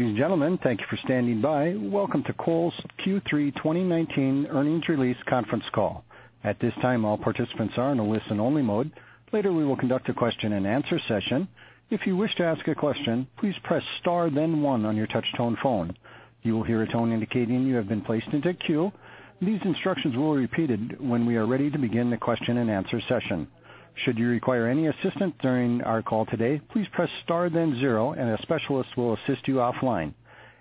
Ladies and gentlemen, thank you for standing by. Welcome to Kohl's Q3 2019 earnings release conference call. At this time, all participants are in a listen-only mode. Later, we will conduct a question-and-answer session. If you wish to ask a question, please press star then one on your touch-tone phone. You will hear a tone indicating you have been placed into queue. These instructions will be repeated when we are ready to begin the question-and-answer session. Should you require any assistance during our call today, please press star then zero, and a specialist will assist you offline.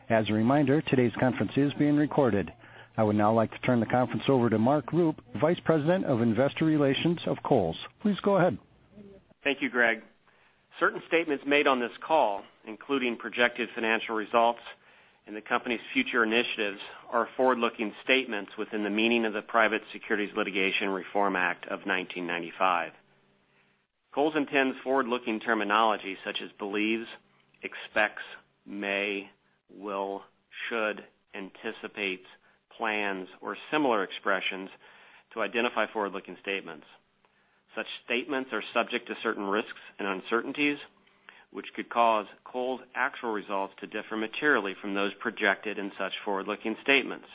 As a reminder, today's conference is being recorded. I would now like to turn the conference over to Mark Rupe, Vice President of Investor Relations of Kohl's. Please go ahead. Thank you, Greg. Certain statements made on this call, including projected financial results and the company's future initiatives, are forward-looking statements within the meaning of the Private Securities Litigation Reform Act of 1995. Kohl's intends forward-looking terminology such as believes, expects, may, will, should, anticipates, plans, or similar expressions to identify forward-looking statements. Such statements are subject to certain risks and uncertainties, which could cause Kohl's actual results to differ materially from those projected in such forward-looking statements.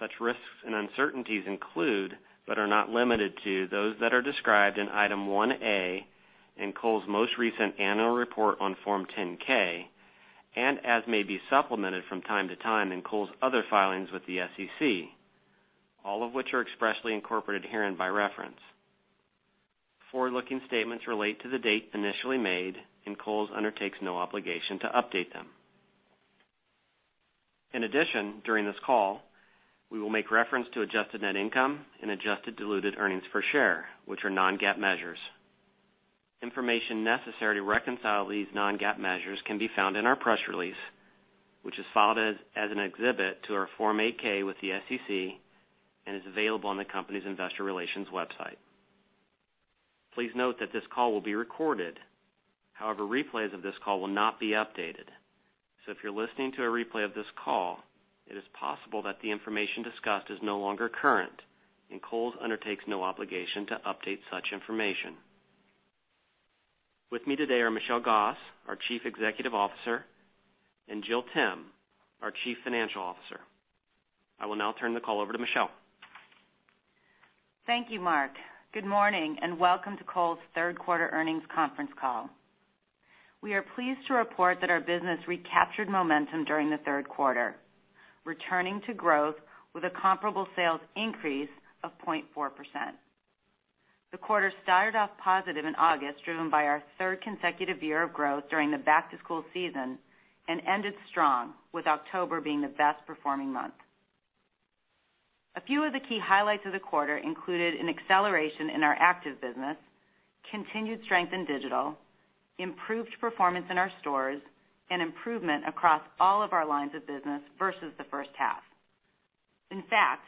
Such risks and uncertainties include, but are not limited to, those that are described in item 1A in Kohl's most recent annual report on Form 10-K, and as may be supplemented from time to time in Kohl's other filings with the SEC, all of which are expressly incorporated herein by reference. Forward-looking statements relate to the date initially made, and Kohl's undertakes no obligation to update them. In addition, during this call, we will make reference to adjusted net income and adjusted diluted earnings per share, which are non-GAAP measures. Information necessary to reconcile these non-GAAP measures can be found in our press release, which is filed as an exhibit to our Form 8-K with the SEC and is available on the company's investor relations website. Please note that this call will be recorded. However, replays of this call will not be updated. If you're listening to a replay of this call, it is possible that the information discussed is no longer current, and Kohl's undertakes no obligation to update such information. With me today are Michelle Gass, our Chief Executive Officer, and Jill Timm, our Chief Financial Officer. I will now turn the call over to Michelle. Thank you, Mark. Good morning and welcome to Kohl's third quarter earnings conference call. We are pleased to report that our business recaptured momentum during the third quarter, returning to growth with a comparable sales increase of 0.4%. The quarter started off positive in August, driven by our third consecutive year of growth during the back-to-school season, and ended strong, with October being the best-performing month. A few of the key highlights of the quarter included an acceleration in our active business, continued strength in digital, improved performance in our stores, and improvement across all of our lines of business versus the first half. In fact,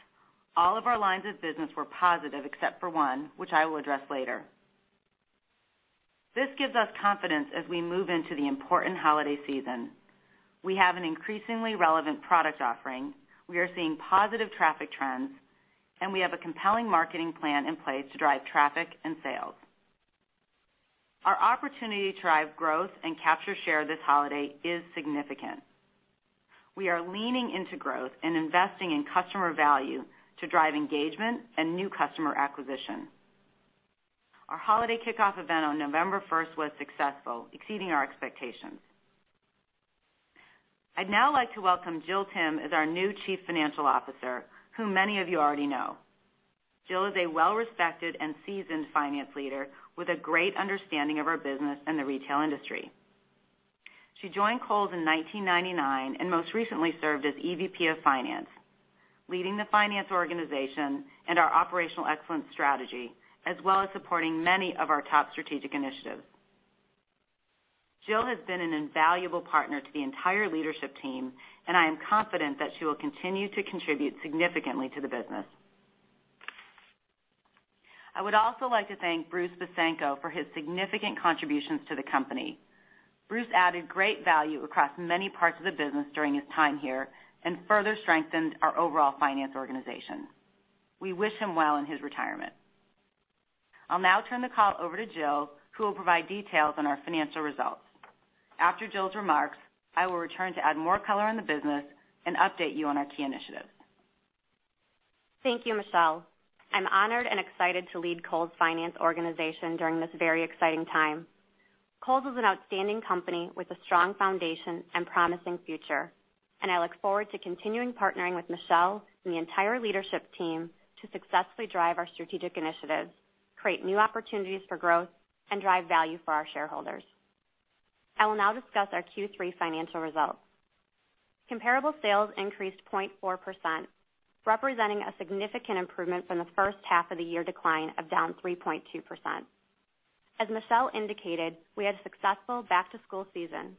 all of our lines of business were positive except for one, which I will address later. This gives us confidence as we move into the important holiday season. We have an increasingly relevant product offering, we are seeing positive traffic trends, and we have a compelling marketing plan in place to drive traffic and sales. Our opportunity to drive growth and capture share this holiday is significant. We are leaning into growth and investing in customer value to drive engagement and new customer acquisition. Our holiday kickoff event on November 1st was successful, exceeding our expectations. I'd now like to welcome Jill Timm as our new Chief Financial Officer, whom many of you already know. Jill is a well-respected and seasoned finance leader with a great understanding of our business and the retail industry. She joined Kohl's in 1999 and most recently served as EVP of Finance, leading the finance organization and our operational excellence strategy, as well as supporting many of our top strategic initiatives. Jill has been an invaluable partner to the entire leadership team, and I am confident that she will continue to contribute significantly to the business. I would also like to thank Bruce Bisenko for his significant contributions to the company. Bruce added great value across many parts of the business during his time here and further strengthened our overall finance organization. We wish him well in his retirement. I'll now turn the call over to Jill, who will provide details on our financial results. After Jill's remarks, I will return to add more color in the business and update you on our key initiatives. Thank you, Michelle. I'm honored and excited to lead Kohl's Finance Organization during this very exciting time. Kohl's is an outstanding company with a strong foundation and promising future, and I look forward to continuing partnering with Michelle and the entire leadership team to successfully drive our strategic initiatives, create new opportunities for growth, and drive value for our shareholders. I will now discuss our Q3 financial results. Comparable sales increased 0.4%, representing a significant improvement from the first half of the year decline of down 3.2%. As Michelle indicated, we had a successful back-to-school season.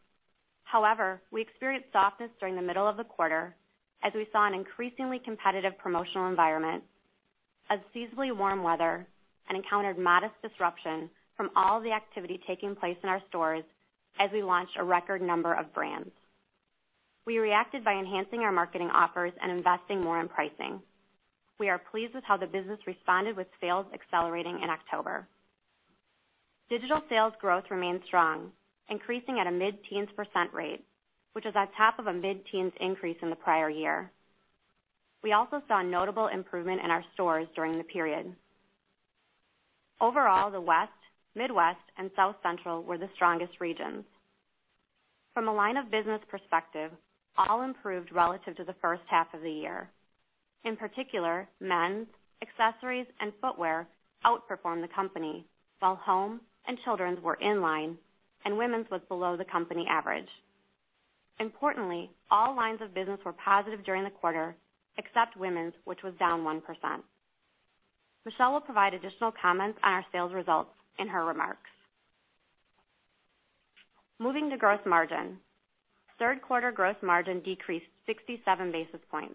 However, we experienced softness during the middle of the quarter as we saw an increasingly competitive promotional environment, unseasonably warm weather, and encountered modest disruption from all the activity taking place in our stores as we launched a record number of brands. We reacted by enhancing our marketing offers and investing more in pricing. We are pleased with how the business responded with sales accelerating in October. Digital sales growth remained strong, increasing at a mid-teens % rate, which is on top of a mid-teens % increase in the prior year. We also saw a notable improvement in our stores during the period. Overall, the West, Midwest, and South Central were the strongest regions. From a line of business perspective, all improved relative to the first half of the year. In particular, men's, accessories, and footwear outperformed the company, while home and children's were in line, and women's was below the company average. Importantly, all lines of business were positive during the quarter except women's, which was down 1%. Michelle will provide additional comments on our sales results in her remarks. Moving to gross margin. Third quarter gross margin decreased 67 basis points.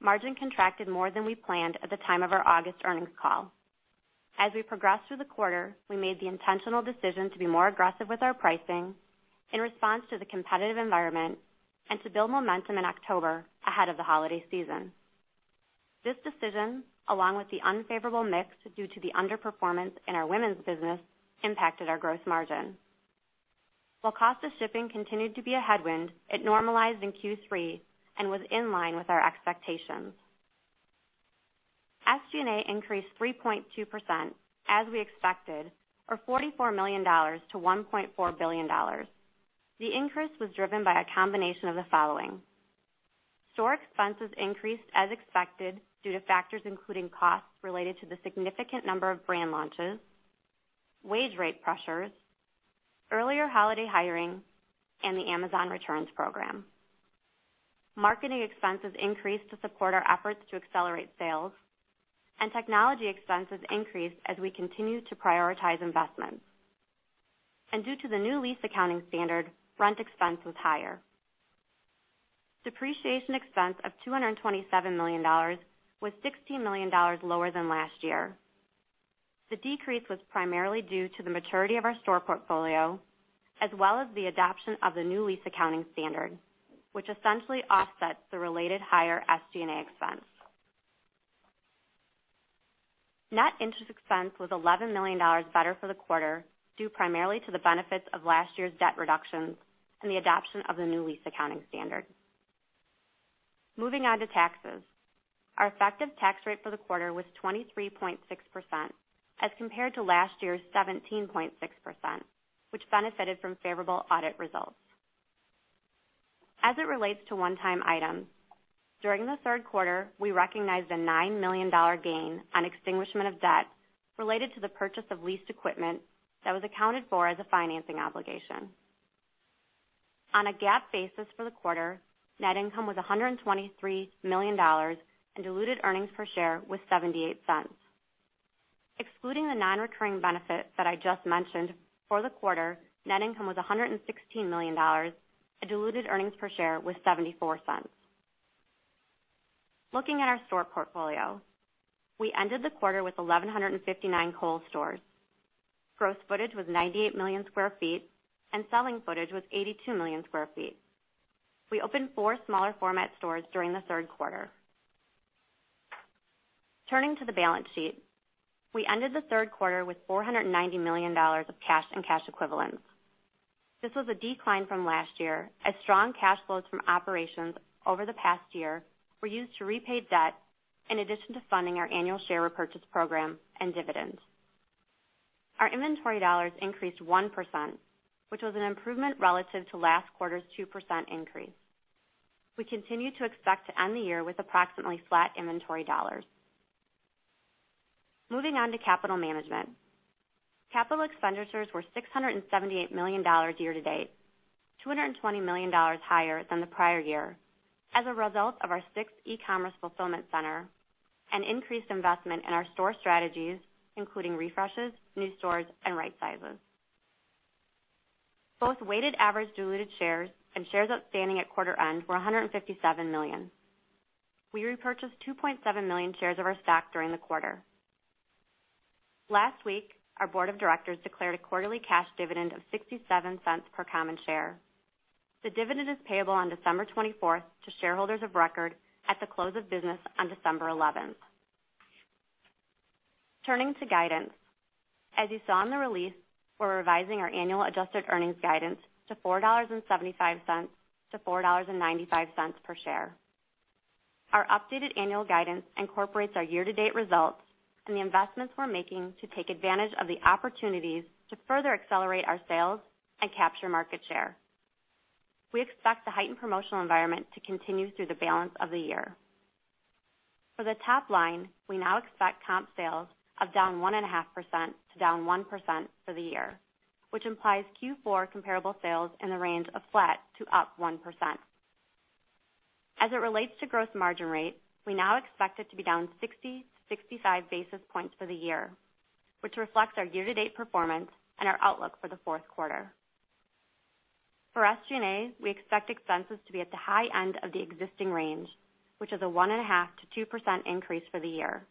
Margin contracted more than we planned at the time of our August earnings call. As we progressed through the quarter, we made the intentional decision to be more aggressive with our pricing in response to the competitive environment and to build momentum in October ahead of the holiday season. This decision, along with the unfavorable mix due to the underperformance in our women's business, impacted our gross margin. While cost of shipping continued to be a headwind, it normalized in Q3 and was in line with our expectations. SG&A increased 3.2% as we expected, or $44 million to $1.4 billion. The increase was driven by a combination of the following: store expenses increased as expected due to factors including costs related to the significant number of brand launches, wage rate pressures, earlier holiday hiring, and the Amazon Returns program. Marketing expenses increased to support our efforts to accelerate sales, and technology expenses increased as we continued to prioritize investments. Due to the new lease accounting standard, rent expense was higher. Depreciation expense of $227 million was $16 million lower than last year. The decrease was primarily due to the maturity of our store portfolio, as well as the adoption of the new lease accounting standard, which essentially offsets the related higher SG&A expense. Net interest expense was $11 million better for the quarter, due primarily to the benefits of last year's debt reductions and the adoption of the new lease accounting standard. Moving on to taxes. Our effective tax rate for the quarter was 23.6% as compared to last year's 17.6%, which benefited from favorable audit results. As it relates to one-time items, during the third quarter, we recognized a $9 million gain on extinguishment of debt related to the purchase of leased equipment that was accounted for as a financing obligation. On a GAAP basis for the quarter, net income was $123 million, and diluted earnings per share was $0.78. Excluding the non-recurring benefits that I just mentioned, for the quarter, net income was $116 million, and diluted earnings per share was $0.74. Looking at our store portfolio, we ended the quarter with 1,159 Kohl's stores. Gross footage was 98 million sq ft, and selling footage was 82 million sq ft. We opened four smaller format stores during the third quarter. Turning to the balance sheet, we ended the third quarter with $490 million of cash and cash equivalents. This was a decline from last year as strong cash flows from operations over the past year were used to repay debt in addition to funding our annual share repurchase program and dividends. Our inventory dollars increased 1%, which was an improvement relative to last quarter's 2% increase. We continue to expect to end the year with approximately flat inventory dollars. Moving on to capital management. Capital expenditures were $678 million year to date, $220 million higher than the prior year as a result of our sixth e-commerce fulfillment center and increased investment in our store strategies, including refreshes, new stores, and right sizes. Both weighted average diluted shares and shares outstanding at quarter end were 157 million. We repurchased 2.7 million shares of our stock during the quarter. Last week, our board of directors declared a quarterly cash dividend of $0.67 per common share. The dividend is payable on December 24th to shareholders of record at the close of business on December 11th. Turning to guidance, as you saw in the release, we're revising our annual adjusted earnings guidance to $4.75-$4.95 per share. Our updated annual guidance incorporates our year-to-date results and the investments we're making to take advantage of the opportunities to further accelerate our sales and capture market share. We expect the heightened promotional environment to continue through the balance of the year. For the top line, we now expect comp sales of down 1.5%-down 1% for the year, which implies Q4 comparable sales in the range of flat to up 1%. As it relates to gross margin rate, we now expect it to be down 60-65 basis points for the year, which reflects our year-to-date performance and our outlook for the fourth quarter. For SG&A, we expect expenses to be at the high end of the existing range, which is a 1.5-2% increase for the year.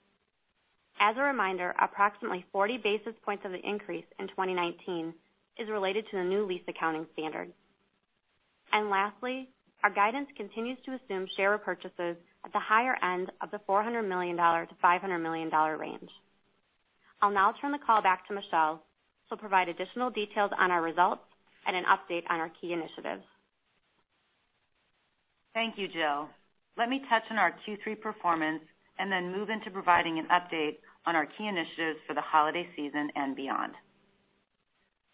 As a reminder, approximately 40 basis points of the increase in 2019 is related to the new lease accounting standard. Lastly, our guidance continues to assume share repurchases at the higher end of the $400 million-$500 million range. I'll now turn the call back to Michelle, who'll provide additional details on our results and an update on our key initiatives. Thank you, Jill. Let me touch on our Q3 performance and then move into providing an update on our key initiatives for the holiday season and beyond.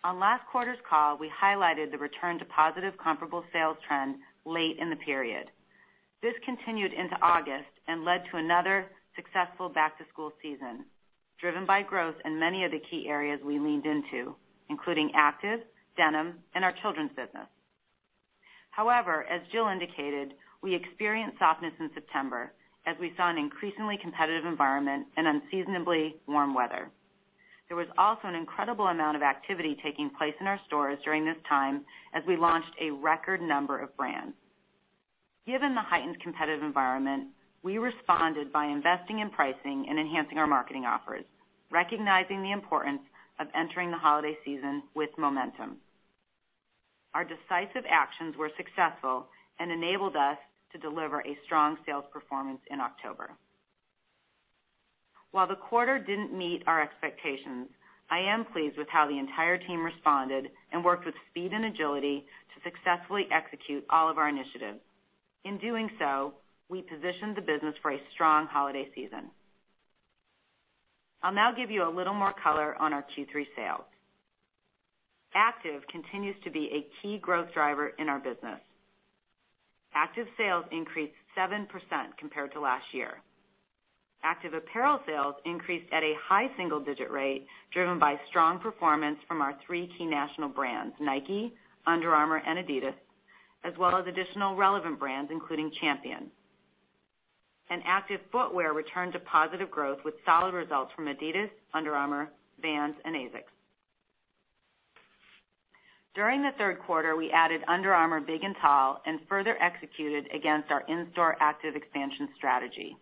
On last quarter's call, we highlighted the return to positive comparable sales trend late in the period. This continued into August and led to another successful back-to-school season, driven by growth in many of the key areas we leaned into, including active, denim, and our children's business. However, as Jill indicated, we experienced softness in September as we saw an increasingly competitive environment and unseasonably warm weather. There was also an incredible amount of activity taking place in our stores during this time as we launched a record number of brands. Given the heightened competitive environment, we responded by investing in pricing and enhancing our marketing offers, recognizing the importance of entering the holiday season with momentum. Our decisive actions were successful and enabled us to deliver a strong sales performance in October. While the quarter did not meet our expectations, I am pleased with how the entire team responded and worked with speed and agility to successfully execute all of our initiatives. In doing so, we positioned the business for a strong holiday season. I will now give you a little more color on our Q3 sales. Active continues to be a key growth driver in our business. Active sales increased 7% compared to last year. Active apparel sales increased at a high single-digit rate, driven by strong performance from our three key national brands, Nike, Under Armour, and Adidas, as well as additional relevant brands including Champion. Active footwear returned to positive growth with solid results from Adidas, Under Armour, Vans, and ASICS. During the third quarter, we added Under Armour Big and Tall and further executed against our in-store active expansion strategy.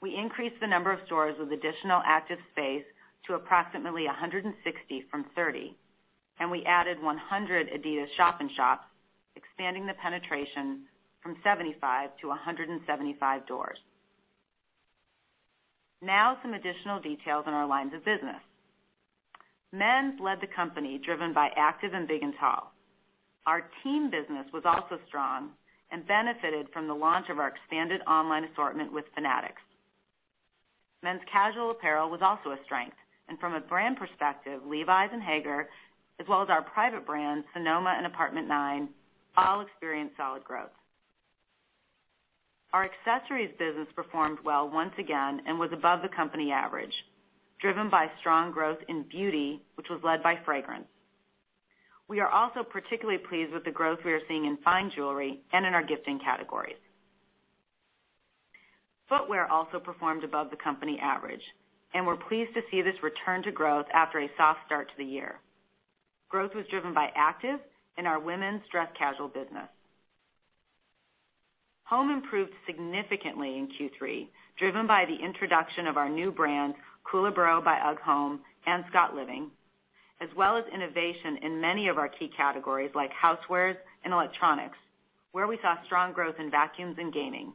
We increased the number of stores with additional active space to approximately 160 from 30, and we added 100 Adidas shopping shops, expanding the penetration from 75 to 175 doors. Now, some additional details on our lines of business. Men's led the company, driven by active and big and tall. Our team business was also strong and benefited from the launch of our expanded online assortment with Fanatics. Men's casual apparel was also a strength, and from a brand perspective, Levi's and Haggar, as well as our private brands, Sonoma and Apartment 9, all experienced solid growth. Our accessories business performed well once again and was above the company average, driven by strong growth in beauty, which was led by fragrance. We are also particularly pleased with the growth we are seeing in fine jewelry and in our gifting categories. Footwear also performed above the company average, and we're pleased to see this return to growth after a soft start to the year. Growth was driven by active and our women's dress casual business. Home improved significantly in Q3, driven by the introduction of our new brands, Kohl & Bro by UGG Home and Scott Living, as well as innovation in many of our key categories like housewares and electronics, where we saw strong growth in vacuums and gaming.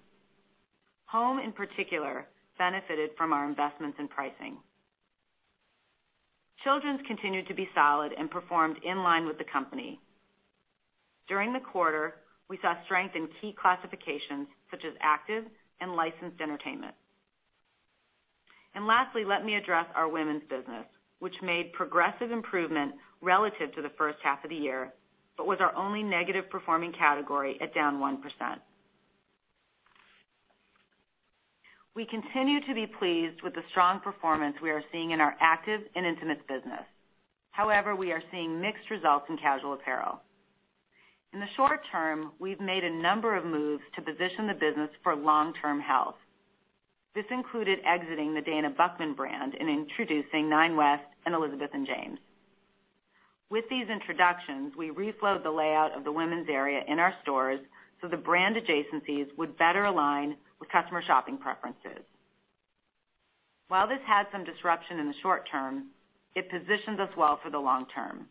Home, in particular, benefited from our investments in pricing. Children's continued to be solid and performed in line with the company. During the quarter, we saw strength in key classifications such as active and licensed entertainment. Lastly, let me address our women's business, which made progressive improvement relative to the first half of the year but was our only negative performing category at down 1%. We continue to be pleased with the strong performance we are seeing in our active and intimate business. However, we are seeing mixed results in casual apparel. In the short term, we've made a number of moves to position the business for long-term health. This included exiting the Dana Buchman brand and introducing Nine West and Elizabeth and James. With these introductions, we reflowed the layout of the women's area in our stores so the brand adjacencies would better align with customer shopping preferences. While this had some disruption in the short term, it positioned us well for the long term.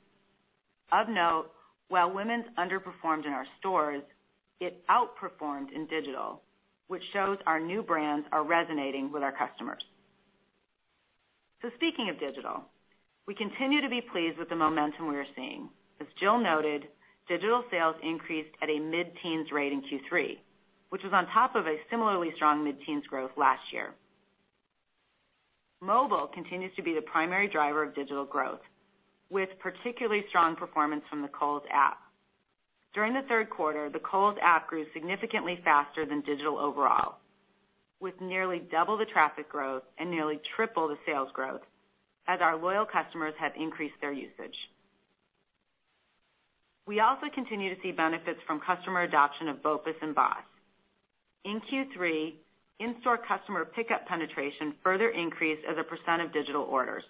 Of note, while women's underperformed in our stores, it outperformed in digital, which shows our new brands are resonating with our customers. Speaking of digital, we continue to be pleased with the momentum we are seeing. As Jill noted, digital sales increased at a mid-teens rate in Q3, which was on top of a similarly strong mid-teens growth last year. Mobile continues to be the primary driver of digital growth, with particularly strong performance from the Kohl's app. During the third quarter, the Kohl's app grew significantly faster than digital overall, with nearly double the traffic growth and nearly triple the sales growth as our loyal customers have increased their usage. We also continue to see benefits from customer adoption of BOPUS and BOSS. In Q3, in-store customer pickup penetration further increased as a percent of digital orders.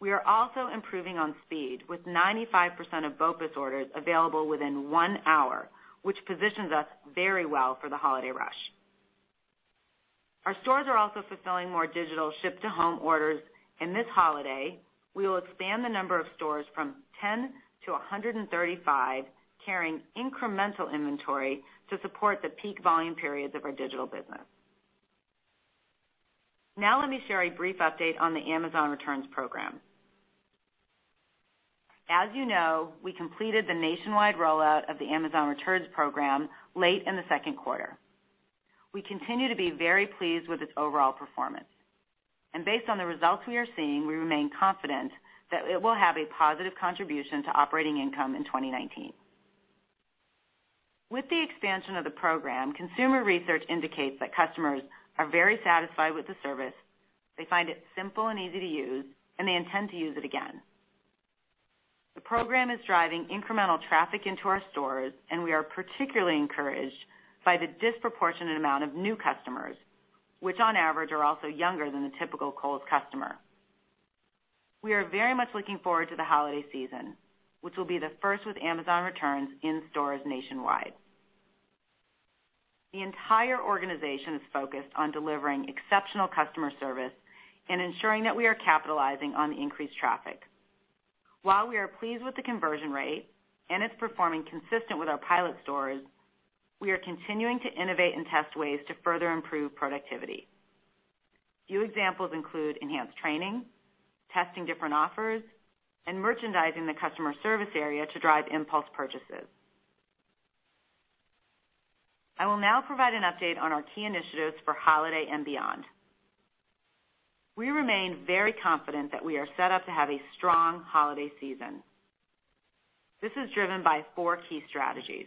We are also improving on speed with 95% of BOPUS orders available within one hour, which positions us very well for the holiday rush. Our stores are also fulfilling more digital ship-to-home orders. In this holiday, we will expand the number of stores from 10 to 135, carrying incremental inventory to support the peak volume periods of our digital business. Now, let me share a brief update on the Amazon Returns program. As you know, we completed the nationwide rollout of the Amazon Returns program late in the second quarter. We continue to be very pleased with its overall performance. Based on the results we are seeing, we remain confident that it will have a positive contribution to operating income in 2019. With the expansion of the program, consumer research indicates that customers are very satisfied with the service. They find it simple and easy to use, and they intend to use it again. The program is driving incremental traffic into our stores, and we are particularly encouraged by the disproportionate amount of new customers, which on average are also younger than the typical Kohl's customer. We are very much looking forward to the holiday season, which will be the first with Amazon Returns in stores nationwide. The entire organization is focused on delivering exceptional customer service and ensuring that we are capitalizing on the increased traffic. While we are pleased with the conversion rate and it's performing consistent with our pilot stores, we are continuing to innovate and test ways to further improve productivity. Few examples include enhanced training, testing different offers, and merchandising the customer service area to drive impulse purchases. I will now provide an update on our key initiatives for holiday and beyond. We remain very confident that we are set up to have a strong holiday season. This is driven by four key strategies.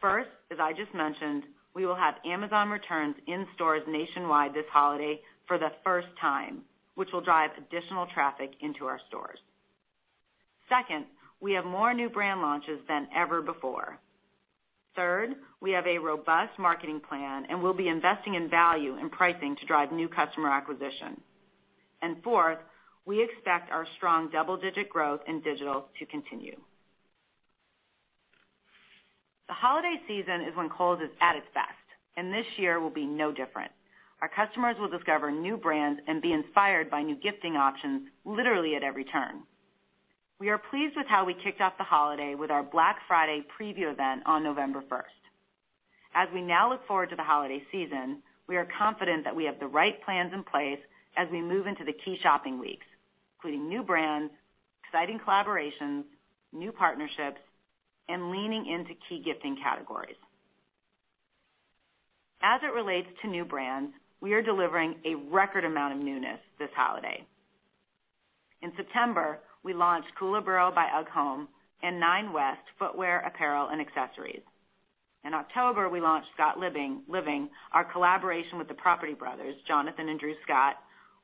First, as I just mentioned, we will have Amazon Returns in stores nationwide this holiday for the first time, which will drive additional traffic into our stores. Second, we have more new brand launches than ever before. Third, we have a robust marketing plan and will be investing in value and pricing to drive new customer acquisition. Fourth, we expect our strong double-digit growth in digital to continue. The holiday season is when Kohl's is at its best, and this year will be no different. Our customers will discover new brands and be inspired by new gifting options literally at every turn. We are pleased with how we kicked off the holiday with our Black Friday preview event on November 1st. As we now look forward to the holiday season, we are confident that we have the right plans in place as we move into the key shopping weeks, including new brands, exciting collaborations, new partnerships, and leaning into key gifting categories. As it relates to new brands, we are delivering a record amount of newness this holiday. In September, we launched Kohl & Bro by UGG Home and Nine West footwear, apparel, and accessories. In October, we launched Scott Living, our collaboration with the Property Brothers, Jonathan and Drew Scott,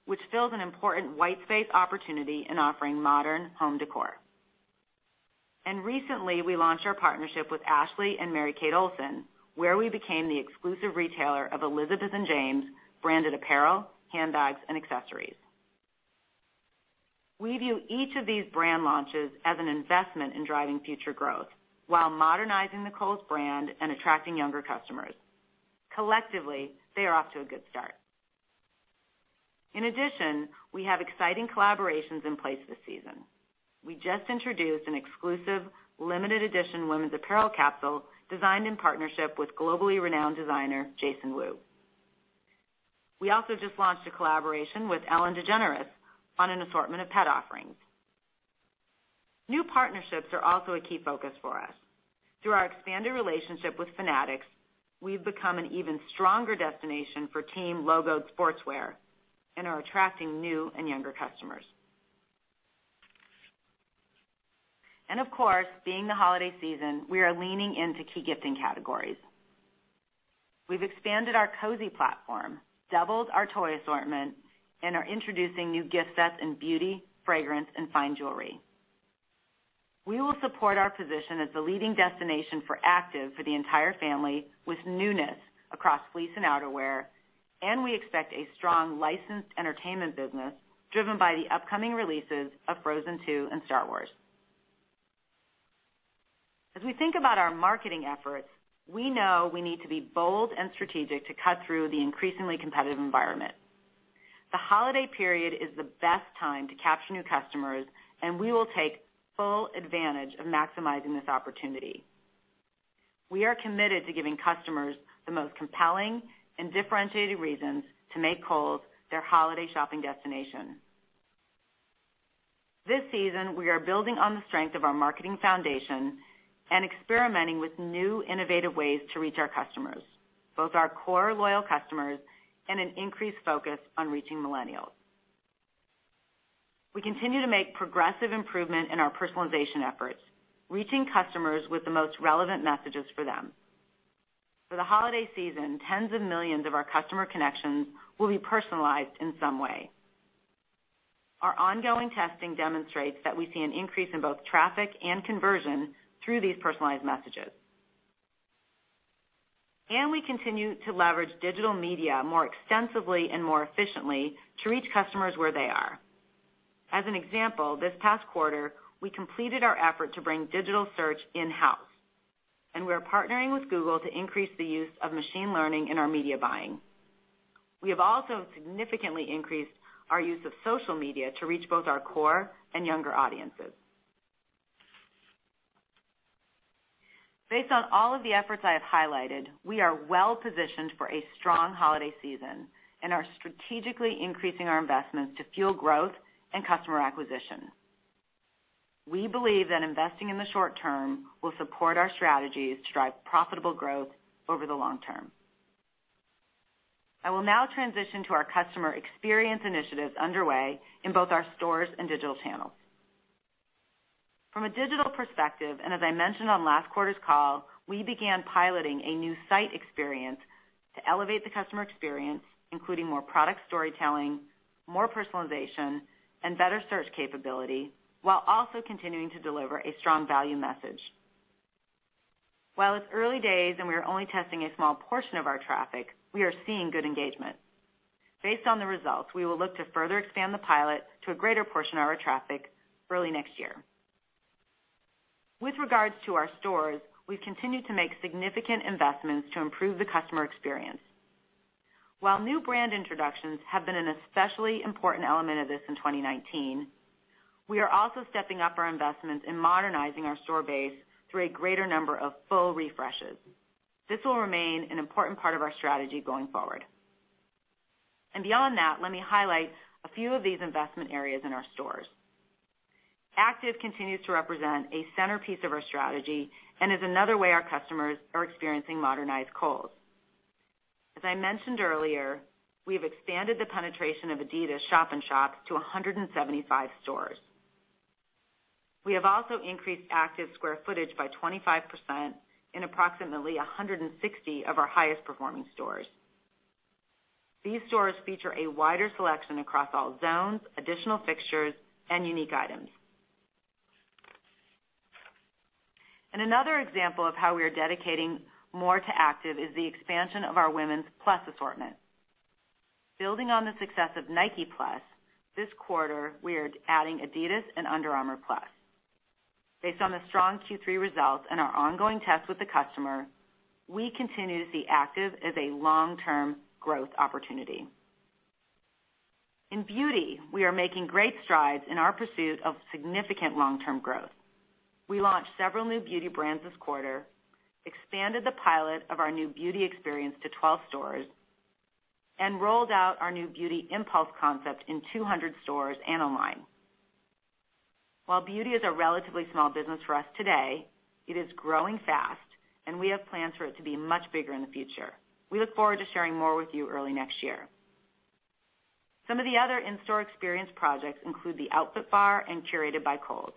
which fills an important white space opportunity in offering modern home decor. Recently, we launched our partnership with Ashley and Mary-Kate Olsen, where we became the exclusive retailer of Elizabeth and James branded apparel, handbags, and accessories. We view each of these brand launches as an investment in driving future growth while modernizing the Kohl's brand and attracting younger customers. Collectively, they are off to a good start. In addition, we have exciting collaborations in place this season. We just introduced an exclusive limited edition women's apparel capsule designed in partnership with globally renowned designer Jason Wu. We also just launched a collaboration with Ellen DeGeneres on an assortment of pet offerings. New partnerships are also a key focus for us. Through our expanded relationship with Fanatics, we've become an even stronger destination for team logoed sportswear and are attracting new and younger customers. Of course, being the holiday season, we are leaning into key gifting categories. We've expanded our cozy platform, doubled our toy assortment, and are introducing new gift sets in beauty, fragrance, and fine jewelry. We will support our position as the leading destination for active for the entire family with newness across fleece and outerwear, and we expect a strong licensed entertainment business driven by the upcoming releases of Frozen 2 and Star Wars. As we think about our marketing efforts, we know we need to be bold and strategic to cut through the increasingly competitive environment. The holiday period is the best time to capture new customers, and we will take full advantage of maximizing this opportunity. We are committed to giving customers the most compelling and differentiated reasons to make Kohl's their holiday shopping destination. This season, we are building on the strength of our marketing foundation and experimenting with new innovative ways to reach our customers, both our core loyal customers and an increased focus on reaching millennials. We continue to make progressive improvement in our personalization efforts, reaching customers with the most relevant messages for them. For the holiday season, tens of millions of our customer connections will be personalized in some way. Our ongoing testing demonstrates that we see an increase in both traffic and conversion through these personalized messages. We continue to leverage digital media more extensively and more efficiently to reach customers where they are. As an example, this past quarter, we completed our effort to bring digital search in-house, and we are partnering with Google to increase the use of machine learning in our media buying. We have also significantly increased our use of social media to reach both our core and younger audiences. Based on all of the efforts I have highlighted, we are well positioned for a strong holiday season and are strategically increasing our investments to fuel growth and customer acquisition. We believe that investing in the short term will support our strategies to drive profitable growth over the long term. I will now transition to our customer experience initiatives underway in both our stores and digital channels. From a digital perspective, and as I mentioned on last quarter's call, we began piloting a new site experience to elevate the customer experience, including more product storytelling, more personalization, and better search capability, while also continuing to deliver a strong value message. While it's early days and we are only testing a small portion of our traffic, we are seeing good engagement. Based on the results, we will look to further expand the pilot to a greater portion of our traffic early next year. With regards to our stores, we've continued to make significant investments to improve the customer experience. While new brand introductions have been an especially important element of this in 2019, we are also stepping up our investments in modernizing our store base through a greater number of full refreshes. This will remain an important part of our strategy going forward. Beyond that, let me highlight a few of these investment areas in our stores. Active continues to represent a centerpiece of our strategy and is another way our customers are experiencing modernized Kohl's. As I mentioned earlier, we have expanded the penetration of Adidas shop and shops to 175 stores. We have also increased active square footage by 25% in approximately 160 of our highest performing stores. These stores feature a wider selection across all zones, additional fixtures, and unique items. Another example of how we are dedicating more to active is the expansion of our women's plus assortment. Building on the success of Nike Plus, this quarter, we are adding Adidas and Under Armour Plus. Based on the strong Q3 results and our ongoing tests with the customer, we continue to see active as a long-term growth opportunity. In beauty, we are making great strides in our pursuit of significant long-term growth. We launched several new beauty brands this quarter, expanded the pilot of our new beauty experience to 12 stores, and rolled out our new beauty impulse concept in 200 stores and online. While beauty is a relatively small business for us today, it is growing fast, and we have plans for it to be much bigger in the future. We look forward to sharing more with you early next year. Some of the other in-store experience projects include the Outfit Bar and Curated by Kohl's.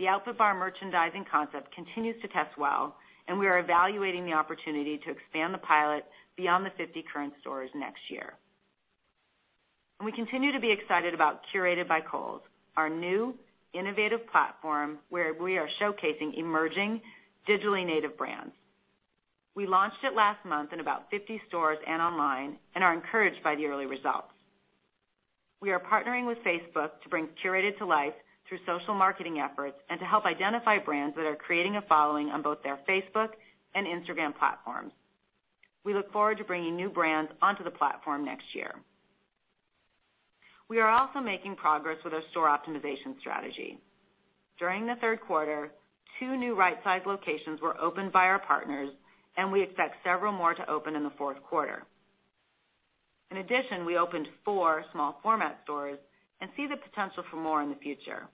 The Outfit Bar merchandising concept continues to test well, and we are evaluating the opportunity to expand the pilot beyond the 50 current stores next year. We continue to be excited about Curated by Kohl's, our new innovative platform where we are showcasing emerging digitally native brands. We launched it last month in about 50 stores and online and are encouraged by the early results. We are partnering with Facebook to bring Curated to life through social marketing efforts and to help identify brands that are creating a following on both their Facebook and Instagram platforms. We look forward to bringing new brands onto the platform next year. We are also making progress with our store optimization strategy. During the third quarter, two new right-sized locations were opened by our partners, and we expect several more to open in the fourth quarter. In addition, we opened four small format stores and see the potential for more in the future.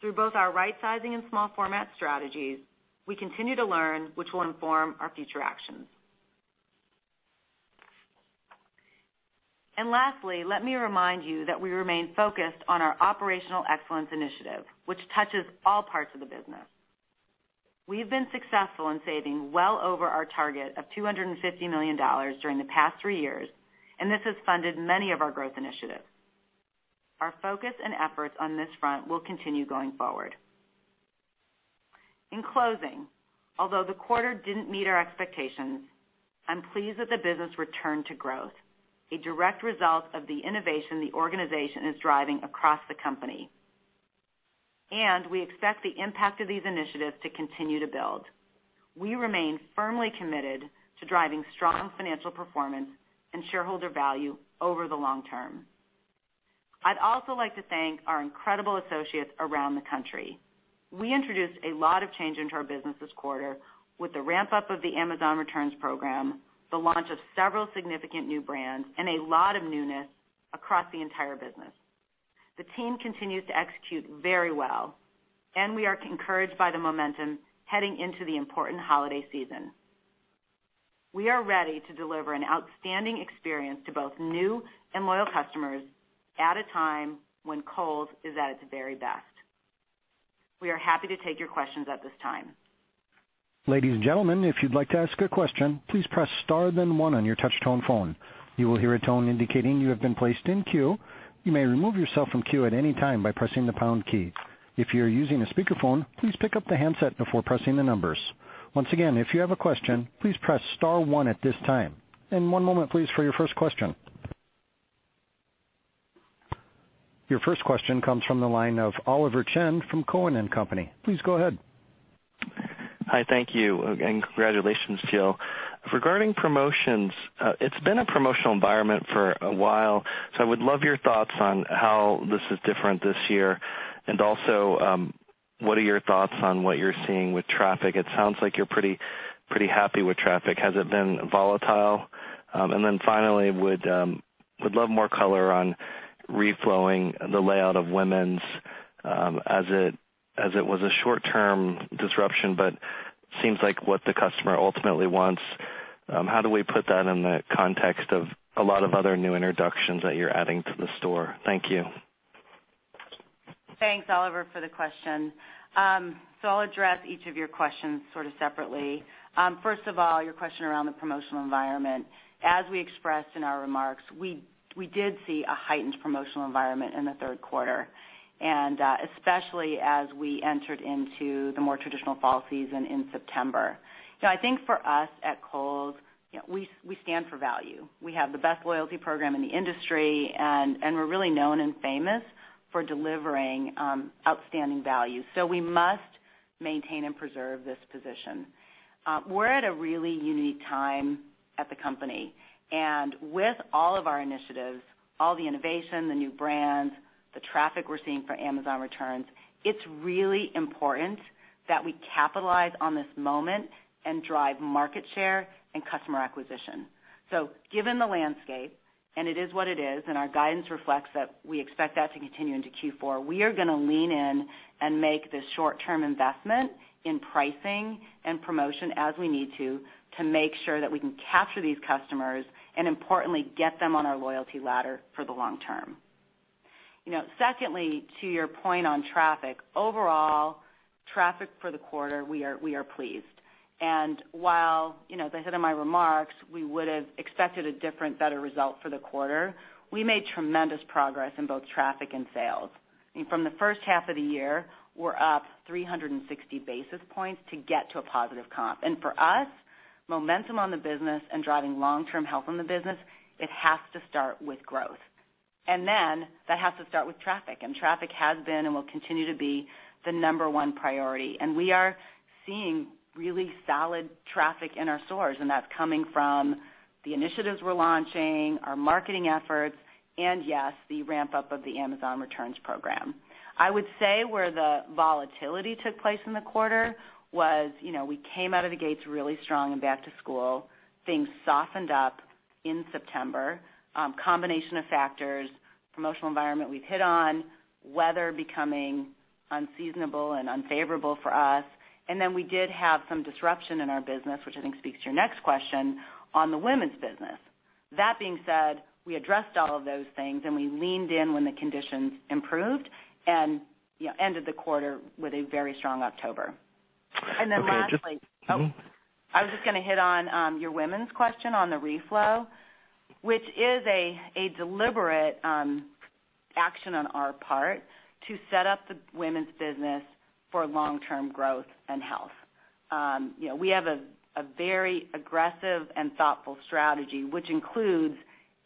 Through both our right-sizing and small format strategies, we continue to learn, which will inform our future actions. Lastly, let me remind you that we remain focused on our operational excellence initiative, which touches all parts of the business. We've been successful in saving well over our target of $250 million during the past three years, and this has funded many of our growth initiatives. Our focus and efforts on this front will continue going forward. In closing, although the quarter didn't meet our expectations, I'm pleased that the business returned to growth, a direct result of the innovation the organization is driving across the company. We expect the impact of these initiatives to continue to build. We remain firmly committed to driving strong financial performance and shareholder value over the long term. I'd also like to thank our incredible associates around the country. We introduced a lot of change into our business this quarter with the ramp-up of the Amazon Returns program, the launch of several significant new brands, and a lot of newness across the entire business. The team continues to execute very well, and we are encouraged by the momentum heading into the important holiday season. We are ready to deliver an outstanding experience to both new and loyal customers at a time when Kohl's is at its very best. We are happy to take your questions at this time. Ladies and gentlemen, if you'd like to ask a question, please press Star then 1 on your touch-tone phone. You will hear a tone indicating you have been placed in queue. You may remove yourself from queue at any time by pressing the pound key. If you're using a speakerphone, please pick up the handset before pressing the numbers. Once again, if you have a question, please press Star one at this time. One moment, please, for your first question. Your first question comes from the line of Oliver Chen from Cohen & Company. Please go ahead. Hi, thank you. And congratulations, Jill. Regarding promotions, it's been a promotional environment for a while, so I would love your thoughts on how this is different this year and also what are your thoughts on what you're seeing with traffic. It sounds like you're pretty happy with traffic. Has it been volatile? Finally, would love more color on reflowing the layout of women's as it was a short-term disruption, but seems like what the customer ultimately wants. How do we put that in the context of a lot of other new introductions that you're adding to the store? Thank you. Thanks, Oliver, for the question. I'll address each of your questions sort of separately. First of all, your question around the promotional environment. As we expressed in our remarks, we did see a heightened promotional environment in the third quarter, and especially as we entered into the more traditional fall season in September. I think for us at Kohl's, we stand for value. We have the best loyalty program in the industry, and we're really known and famous for delivering outstanding value. We must maintain and preserve this position. We're at a really unique time at the company. With all of our initiatives, all the innovation, the new brands, the traffic we're seeing for Amazon Returns, it's really important that we capitalize on this moment and drive market share and customer acquisition. Given the landscape, and it is what it is, and our guidance reflects that we expect that to continue into Q4, we are going to lean in and make this short-term investment in pricing and promotion as we need to, to make sure that we can capture these customers and, importantly, get them on our loyalty ladder for the long term. Secondly, to your point on traffic, overall traffic for the quarter, we are pleased. While at the head of my remarks, we would have expected a different, better result for the quarter, we made tremendous progress in both traffic and sales. From the first half of the year, we're up 360 basis points to get to a positive comp. For us, momentum on the business and driving long-term health in the business, it has to start with growth. That has to start with traffic. Traffic has been and will continue to be the number one priority. We are seeing really solid traffic in our stores, and that's coming from the initiatives we're launching, our marketing efforts, and yes, the ramp-up of the Amazon Returns program. I would say where the volatility took place in the quarter was we came out of the gates really strong and back to school. Things softened up in September. Combination of factors, promotional environment we've hit on, weather becoming unseasonable and unfavorable for us. We did have some disruption in our business, which I think speaks to your next question, on the women's business. That being said, we addressed all of those things, and we leaned in when the conditions improved and ended the quarter with a very strong October. Lastly, I was just going to hit on your women's question on the reflow, which is a deliberate action on our part to set up the women's business for long-term growth and health. We have a very aggressive and thoughtful strategy, which includes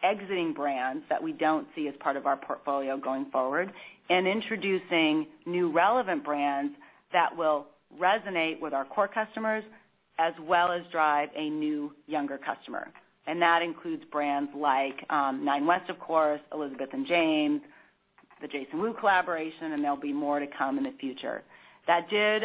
exiting brands that we don't see as part of our portfolio going forward and introducing new relevant brands that will resonate with our core customers as well as drive a new younger customer. That includes brands like Nine West, of course, Elizabeth and James, the Jason Wu collaboration, and there will be more to come in the future. That did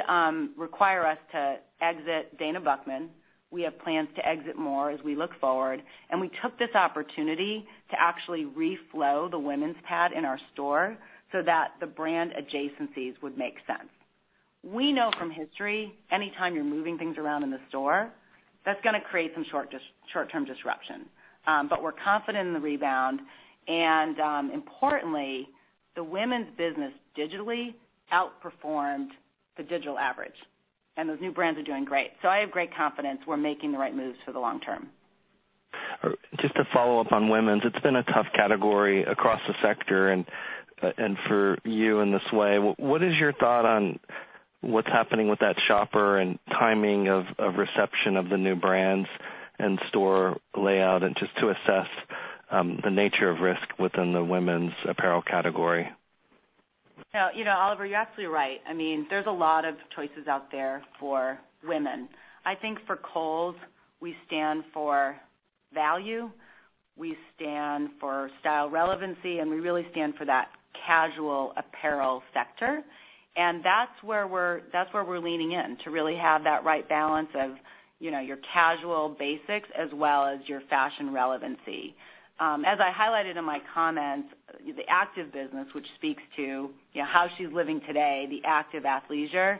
require us to exit Dana Buchman. We have plans to exit more as we look forward. We took this opportunity to actually reflow the women's pad in our store so that the brand adjacencies would make sense. We know from history, anytime you're moving things around in the store, that's going to create some short-term disruption. We are confident in the rebound. Importantly, the women's business digitally outperformed the digital average. Those new brands are doing great. I have great confidence we're making the right moves for the long term. Just to follow up on women's, it's been a tough category across the sector. For you in this way, what is your thought on what's happening with that shopper and timing of reception of the new brands and store layout and just to assess the nature of risk within the women's apparel category? Oliver, you're absolutely right. I mean, there's a lot of choices out there for women. I think for Kohl's, we stand for value. We stand for style relevancy, and we really stand for that casual apparel sector. That's where we're leaning in to really have that right balance of your casual basics as well as your fashion relevancy. As I highlighted in my comments, the active business, which speaks to how she's living today, the active athleisure,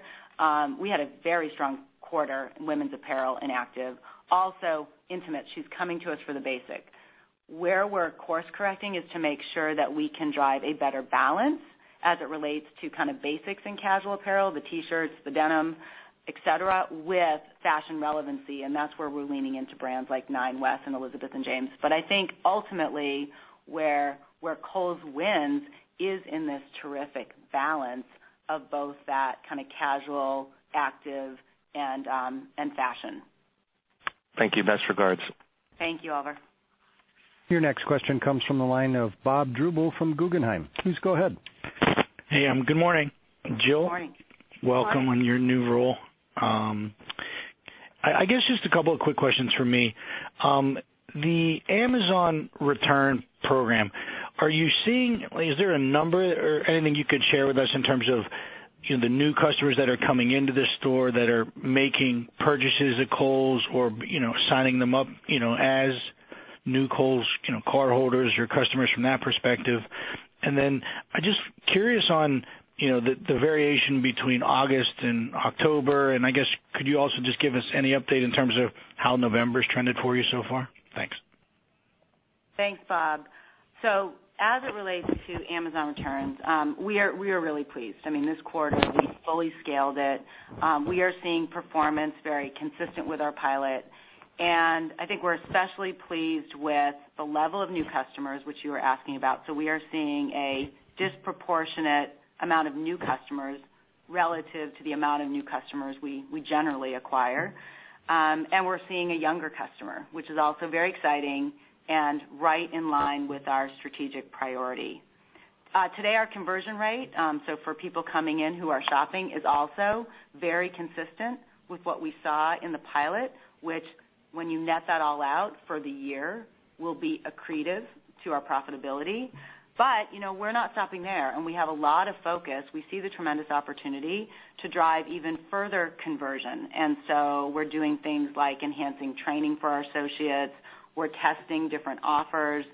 we had a very strong quarter in women's apparel and active. Also, intimate. She's coming to us for the basic. Where we're course-correcting is to make sure that we can drive a better balance as it relates to kind of basics and casual apparel, the T-shirts, the denim, etc., with fashion relevancy. That's where we're leaning into brands like Nine West and Elizabeth and James. I think ultimately where Kohl's wins is in this terrific balance of both that kind of casual, active, and fashion. Thank you. Best regards. Thank you, Oliver. Your next question comes from the line of Bob Drbul from Guggenheim. Please go ahead. Hey, good morning. Jill, welcome on your new role. I guess just a couple of quick questions for me. The Amazon Returns program, are you seeing is there a number or anything you could share with us in terms of the new customers that are coming into this store that are making purchases at Kohl's or signing them up as new Kohl's cardholders or customers from that perspective? I am just curious on the variation between August and October. I guess could you also just give us any update in terms of how November's trended for you so far? Thanks. Thanks, Bob. As it relates to Amazon Returns, we are really pleased. I mean, this quarter, we fully scaled it. We are seeing performance very consistent with our pilot. I think we are especially pleased with the level of new customers, which you were asking about. We are seeing a disproportionate amount of new customers relative to the amount of new customers we generally acquire. We are seeing a younger customer, which is also very exciting and right in line with our strategic priority. Today, our conversion rate, so for people coming in who are shopping, is also very consistent with what we saw in the pilot, which when you net that all out for the year, will be accretive to our profitability. We are not stopping there. We have a lot of focus. We see the tremendous opportunity to drive even further conversion. We are doing things like enhancing training for our associates. We are testing different offers.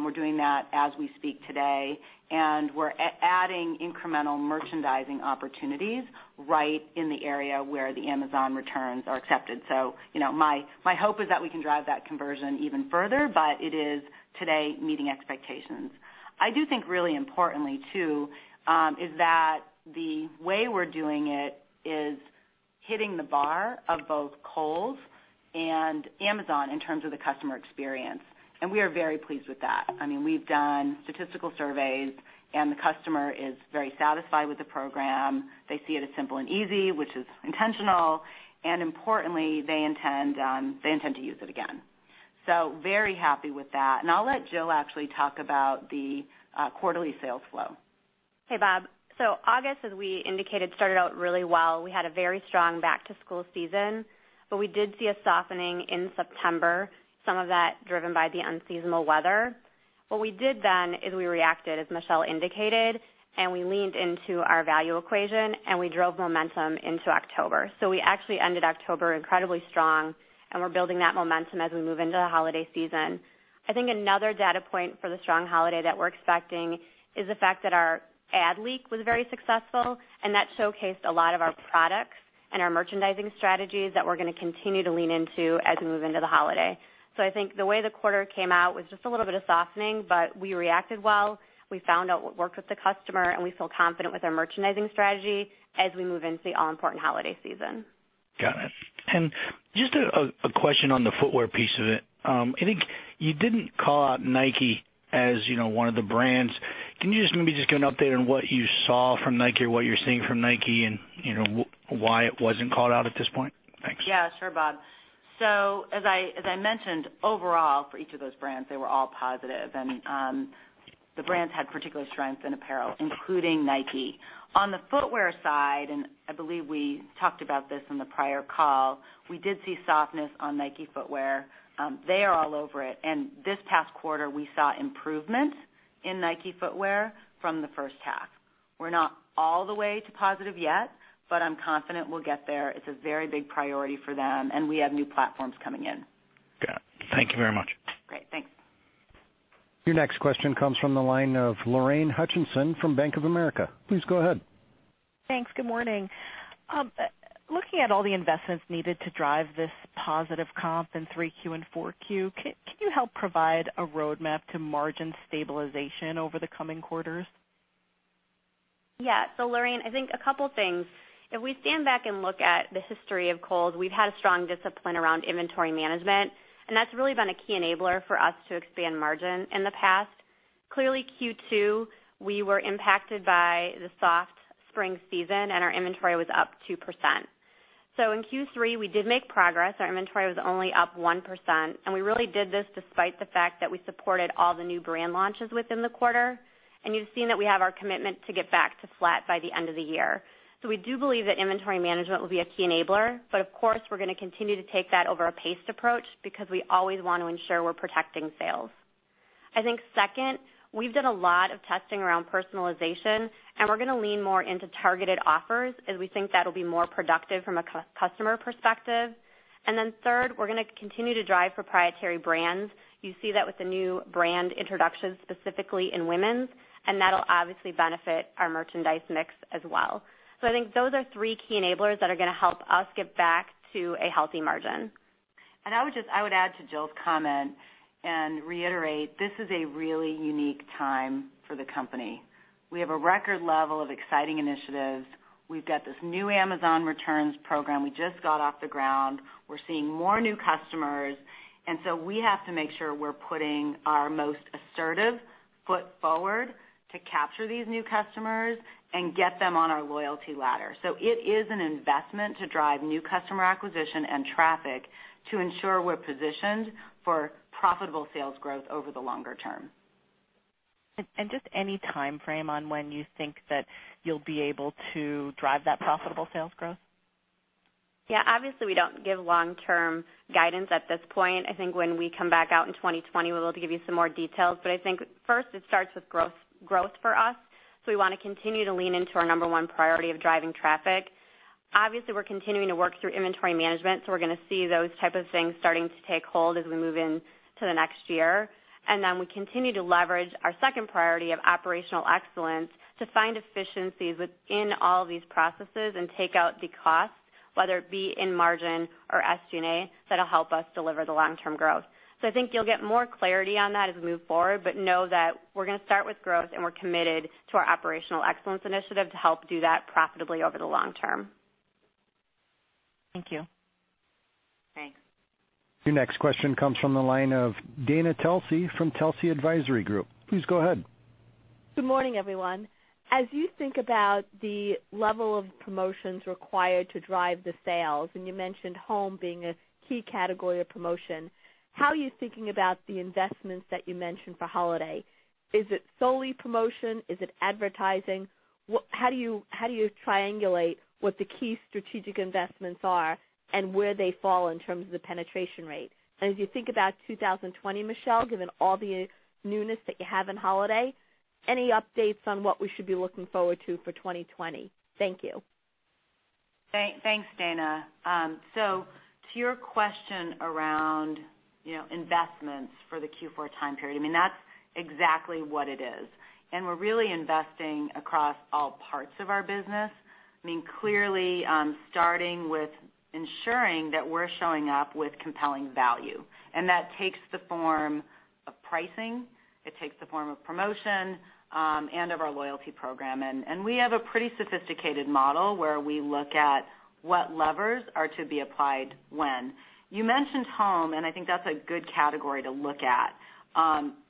We are doing that as we speak today. We are adding incremental merchandising opportunities right in the area where the Amazon Returns are accepted. My hope is that we can drive that conversion even further, but it is today meeting expectations. I do think really importantly, too, is that the way we're doing it is hitting the bar of both Kohl's and Amazon in terms of the customer experience. We are very pleased with that. I mean, we've done statistical surveys, and the customer is very satisfied with the program. They see it as simple and easy, which is intentional. Importantly, they intend to use it again. Very happy with that. I'll let Jill actually talk about the quarterly sales flow. Hey, Bob. August, as we indicated, started out really well. We had a very strong back-to-school season. We did see a softening in September, some of that driven by the unseasonal weather. What we did then is we reacted, as Michelle indicated, and we leaned into our value equation, and we drove momentum into October. We actually ended October incredibly strong, and we're building that momentum as we move into the holiday season. I think another data point for the strong holiday that we're expecting is the fact that our ad leak was very successful, and that showcased a lot of our products and our merchandising strategies that we're going to continue to lean into as we move into the holiday. I think the way the quarter came out was just a little bit of softening, but we reacted well. We found out what worked with the customer, and we feel confident with our merchandising strategy as we move into the all-important holiday season. Got it. Just a question on the footwear piece of it. I think you didn't call out Nike as one of the brands. Can you just maybe just give an update on what you saw from Nike or what you're seeing from Nike and why it wasn't called out at this point? Thanks. Yeah, sure, Bob. As I mentioned, overall, for each of those brands, they were all positive. The brands had particular strength in apparel, including Nike. On the footwear side, and I believe we talked about this in the prior call, we did see softness on Nike footwear. They are all over it. This past quarter, we saw improvement in Nike footwear from the first half. We're not all the way to positive yet, but I'm confident we'll get there. It's a very big priority for them, and we have new platforms coming in. Got it. Thank you very much. Great. Thanks. Your next question comes from the line of Lorraine Hutchinson from Bank of America. Please go ahead. Thanks. Good morning. Looking at all the investments needed to drive this positive comp in 3Q and 4Q, can you help provide a roadmap to margin stabilization over the coming quarters? Yeah. Lorraine, I think a couple of things. If we stand back and look at the history of Kohl's, we've had a strong discipline around inventory management, and that's really been a key enabler for us to expand margin in the past. Clearly, Q2, we were impacted by the soft spring season, and our inventory was up 2%. In Q3, we did make progress. Our inventory was only up 1%. We really did this despite the fact that we supported all the new brand launches within the quarter. You have seen that we have our commitment to get back to flat by the end of the year. We do believe that inventory management will be a key enabler. Of course, we're going to continue to take that over a paced approach because we always want to ensure we're protecting sales. I think second, we've done a lot of testing around personalization, and we're going to lean more into targeted offers as we think that'll be more productive from a customer perspective. Then third, we're going to continue to drive proprietary brands. You see that with the new brand introduction specifically in women's, and that'll obviously benefit our merchandise mix as well. I think those are three key enablers that are going to help us get back to a healthy margin. I would add to Jill's comment and reiterate, this is a really unique time for the company. We have a record level of exciting initiatives. We've got this new Amazon Returns program. We just got off the ground. We're seeing more new customers. We have to make sure we're putting our most assertive foot forward to capture these new customers and get them on our loyalty ladder. It is an investment to drive new customer acquisition and traffic to ensure we're positioned for profitable sales growth over the longer term. Just any timeframe on when you think that you'll be able to drive that profitable sales growth? Yeah. Obviously, we don't give long-term guidance at this point. I think when we come back out in 2020, we'll be able to give you some more details. I think first, it starts with growth for us. We want to continue to lean into our number one priority of driving traffic. Obviously, we're continuing to work through inventory management, so we're going to see those types of things starting to take hold as we move into the next year. We continue to leverage our second priority of operational excellence to find efficiencies within all these processes and take out the costs, whether it be in margin or SG&A, that'll help us deliver the long-term growth. I think you'll get more clarity on that as we move forward, but know that we're going to start with growth, and we're committed to our operational excellence initiative to help do that profitably over the long term. Thank you. Thanks. Your next question comes from the line of Dana Telsey from Telsey Advisory Group. Please go ahead. Good morning, everyone. As you think about the level of promotions required to drive the sales, and you mentioned home being a key category of promotion, how are you thinking about the investments that you mentioned for holiday? Is it solely promotion? Is it advertising? How do you triangulate what the key strategic investments are and where they fall in terms of the penetration rate? As you think about 2020, Michelle, given all the newness that you have in holiday, any updates on what we should be looking forward to for 2020? Thank you. Thanks, Dana. To your question around investments for the Q4 time period, that's exactly what it is. We're really investing across all parts of our business, clearly starting with ensuring that we're showing up with compelling value. That takes the form of pricing. It takes the form of promotion and of our loyalty program. We have a pretty sophisticated model where we look at what levers are to be applied when. You mentioned home, and I think that's a good category to look at.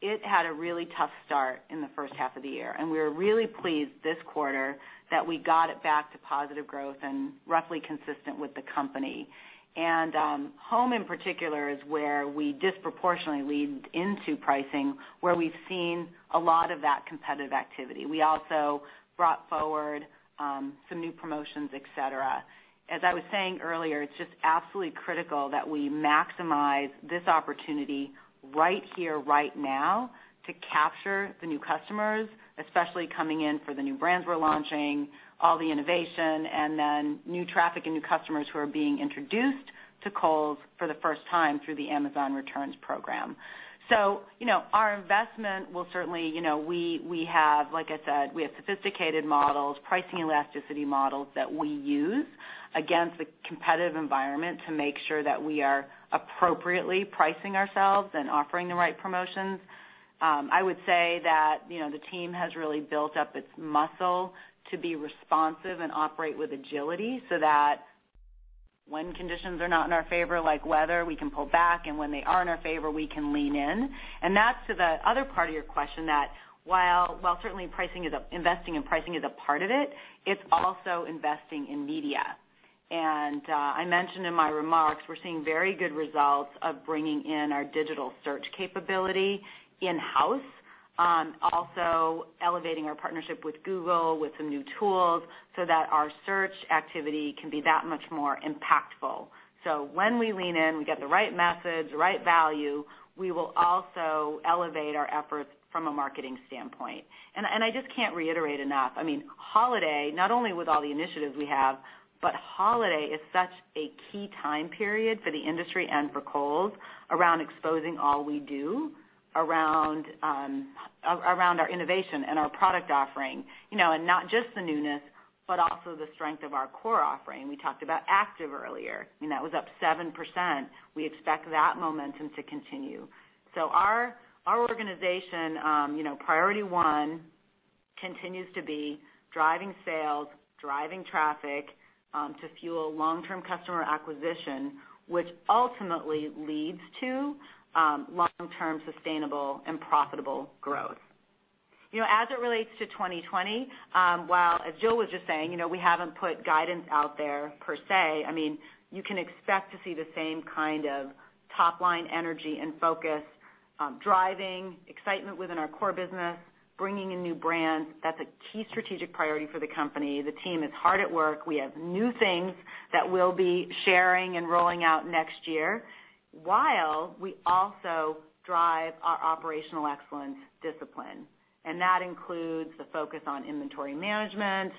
It had a really tough start in the first half of the year. We were really pleased this quarter that we got it back to positive growth and roughly consistent with the company. Home, in particular, is where we disproportionately leaned into pricing, where we've seen a lot of that competitive activity. We also brought forward some new promotions, etc. As I was saying earlier, it's just absolutely critical that we maximize this opportunity right here, right now, to capture the new customers, especially coming in for the new brands we're launching, all the innovation, and then new traffic and new customers who are being introduced to Kohl's for the first time through the Amazon Returns program. Our investment will certainly, like I said, we have sophisticated models, pricing elasticity models that we use against the competitive environment to make sure that we are appropriately pricing ourselves and offering the right promotions. I would say that the team has really built up its muscle to be responsive and operate with agility so that when conditions are not in our favor, like weather, we can pull back. When they are in our favor, we can lean in. That is to the other part of your question that while certainly investing in pricing is a part of it, it's also investing in media. I mentioned in my remarks, we're seeing very good results of bringing in our digital search capability in-house, also elevating our partnership with Google with some new tools so that our search activity can be that much more impactful. When we lean in, we get the right message, the right value, we will also elevate our efforts from a marketing standpoint. I just can't reiterate enough. I mean, holiday, not only with all the initiatives we have, but holiday is such a key time period for the industry and for Kohl's around exposing all we do around our innovation and our product offering, and not just the newness, but also the strength of our core offering. We talked about Active earlier. I mean, that was up 7%. We expect that momentum to continue. Our organization, priority one, continues to be driving sales, driving traffic to fuel long-term customer acquisition, which ultimately leads to long-term sustainable and profitable growth. As it relates to 2020, while as Jill was just saying, we haven't put guidance out there per se, I mean, you can expect to see the same kind of top-line energy and focus, driving excitement within our core business, bringing in new brands. That's a key strategic priority for the company. The team is hard at work. We have new things that we'll be sharing and rolling out next year, while we also drive our operational excellence discipline. That includes the focus on inventory management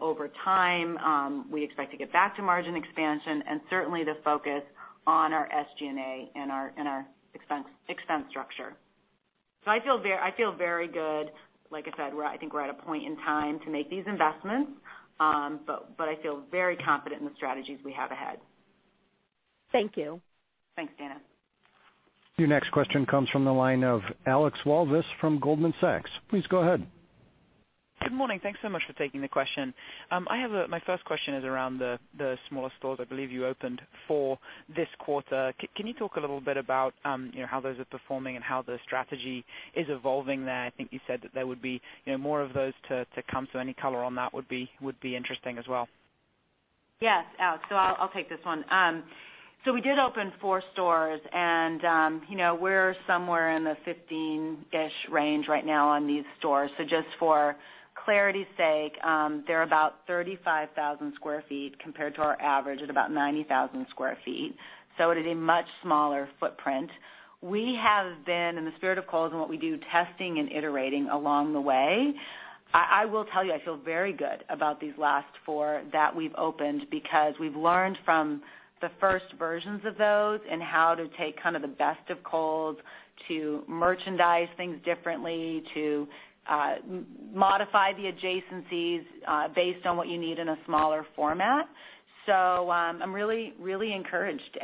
over time. We expect to get back to margin expansion and certainly the focus on our SG&A and our expense structure. I feel very good. Like I said, I think we're at a point in time to make these investments, but I feel very confident in the strategies we have ahead. Thank you. Thanks, Dana. Your next question comes from the line of Alex Walvis from Goldman Sachs. Please go ahead. Good morning. Thanks so much for taking the question. My first question is around the smaller stores I believe you opened for this quarter. Can you talk a little bit about how those are performing and how the strategy is evolving there? I think you said that there would be more of those to come, so any color on that would be interesting as well. Yes. I'll take this one. We did open four stores, and we're somewhere in the 15-ish range right now on these stores. Just for clarity's sake, they're about 35,000 sq ft compared to our average at about 90,000 sq ft. It is a much smaller footprint. We have been, in the spirit of Kohl's and what we do, testing and iterating along the way. I will tell you, I feel very good about these last four that we've opened because we've learned from the first versions of those and how to take kind of the best of Kohl's to merchandise things differently, to modify the adjacencies based on what you need in a smaller format. I'm really, really encouraged.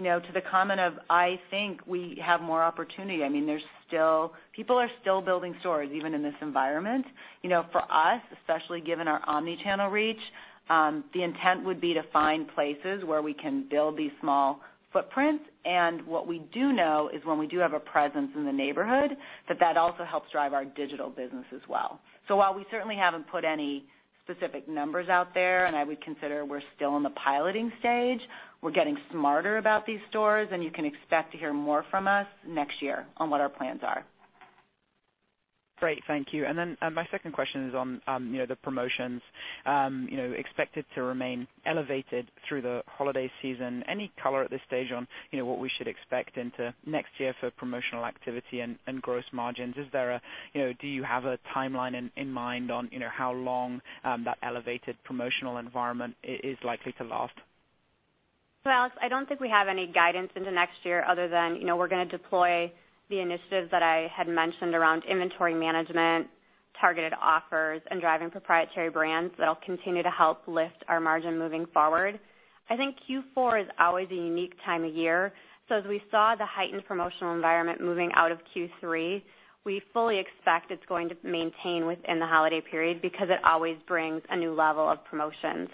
To the comment of, "I think we have more opportunity," I mean, people are still building stores even in this environment. For us, especially given our omnichannel reach, the intent would be to find places where we can build these small footprints. What we do know is when we do have a presence in the neighborhood, that also helps drive our digital business as well. While we certainly haven't put any specific numbers out there, and I would consider we're still in the piloting stage, we're getting smarter about these stores, and you can expect to hear more from us next year on what our plans are. Great. Thank you. My second question is on the promotions. Expected to remain elevated through the holiday season. Any color at this stage on what we should expect into next year for promotional activity and gross margins? Do you have a timeline in mind on how long that elevated promotional environment is likely to last? Alex, I don't think we have any guidance into next year other than we're going to deploy the initiatives that I had mentioned around inventory management, targeted offers, and driving proprietary brands that'll continue to help lift our margin moving forward. I think Q4 is always a unique time of year. As we saw the heightened promotional environment moving out of Q3, we fully expect it's going to maintain within the holiday period because it always brings a new level of promotions.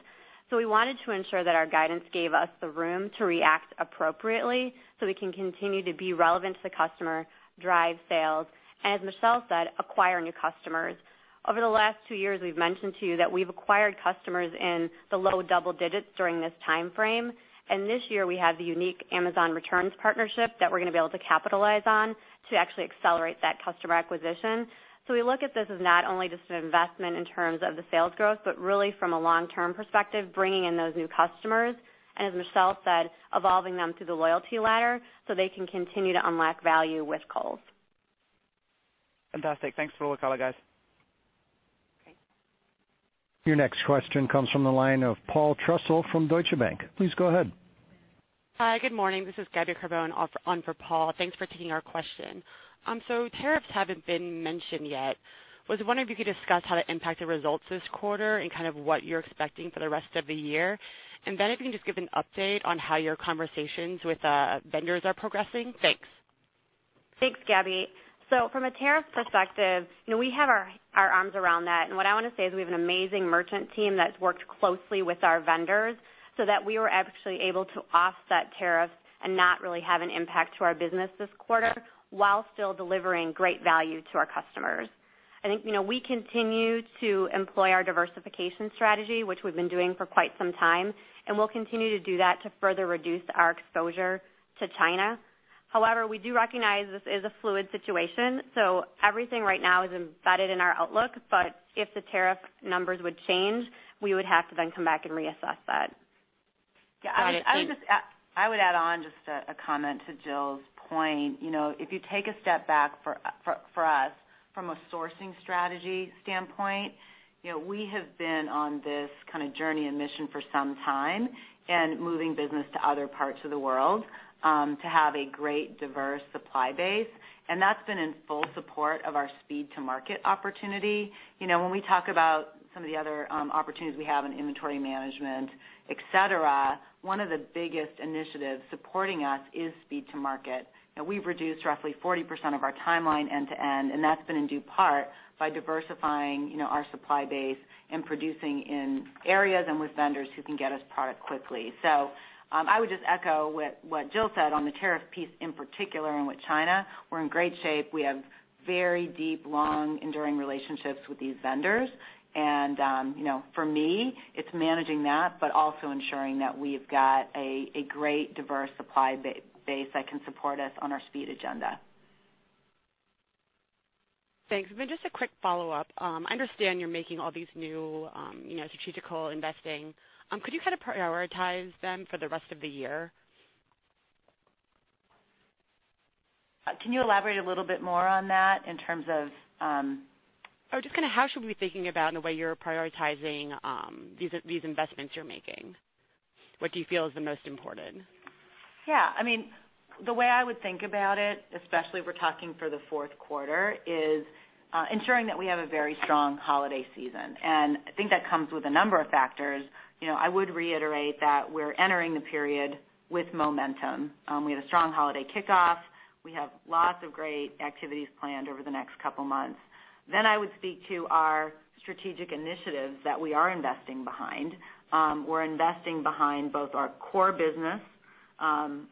We wanted to ensure that our guidance gave us the room to react appropriately so we can continue to be relevant to the customer, drive sales, and, as Michelle said, acquire new customers. Over the last two years, we've mentioned to you that we've acquired customers in the low double digits during this timeframe. This year, we have the unique Amazon Returns partnership that we're going to be able to capitalize on to actually accelerate that customer acquisition. We look at this as not only just an investment in terms of the sales growth, but really from a long-term perspective, bringing in those new customers. As Michelle said, evolving them through the loyalty ladder so they can continue to unlock value with Kohl's. Fantastic. Thanks for the color, guys. Your next question comes from the line of Paul Trussell from Deutsche Bank. Please go ahead. Hi. Good morning. This is Gaby Carbone on for Paul. Thanks for taking our question. Tariffs have not been mentioned yet. I was wondering if you could discuss how they impact the results this quarter and kind of what you're expecting for the rest of the year. If you can just give an update on how your conversations with vendors are progressing. Thanks. Thanks, Gaby. From a tariff perspective, we have our arms around that. What I want to say is we have an amazing merchant team that's worked closely with our vendors so that we were actually able to offset tariffs and not really have an impact to our business this quarter while still delivering great value to our customers. I think we continue to employ our diversification strategy, which we've been doing for quite some time, and we'll continue to do that to further reduce our exposure to China. However, we do recognize this is a fluid situation. Everything right now is embedded in our outlook, but if the tariff numbers would change, we would have to then come back and reassess that. I would add on just a comment to Jill's point. If you take a step back for us from a sourcing strategy standpoint, we have been on this kind of journey and mission for some time and moving business to other parts of the world to have a great, diverse supply base. That has been in full support of our speed-to-market opportunity. When we talk about some of the other opportunities we have in inventory management, etc., one of the biggest initiatives supporting us is speed-to-market. We've reduced roughly 40% of our timeline end-to-end, and that has been in due part by diversifying our supply base and producing in areas and with vendors who can get us product quickly. I would just echo what Jill said on the tariff piece in particular and with China. We're in great shape. We have very deep, long, enduring relationships with these vendors. For me, it's managing that, but also ensuring that we've got a great, diverse supply base that can support us on our speed agenda. Thanks. Just a quick follow-up. I understand you're making all these new strategical investing. Could you kind of prioritize them for the rest of the year? Could you elaborate a little bit more on that in terms of. I was just going to ask how should we be thinking about the way you're prioritizing these investments you're making? What do you feel is the most important? Yeah. I mean, the way I would think about it, especially if we're talking for the fourth quarter, is ensuring that we have a very strong holiday season. I think that comes with a number of factors. I would reiterate that we're entering the period with momentum. We have a strong holiday kickoff. We have lots of great activities planned over the next couple of months. I would speak to our strategic initiatives that we are investing behind. We're investing behind both our core business.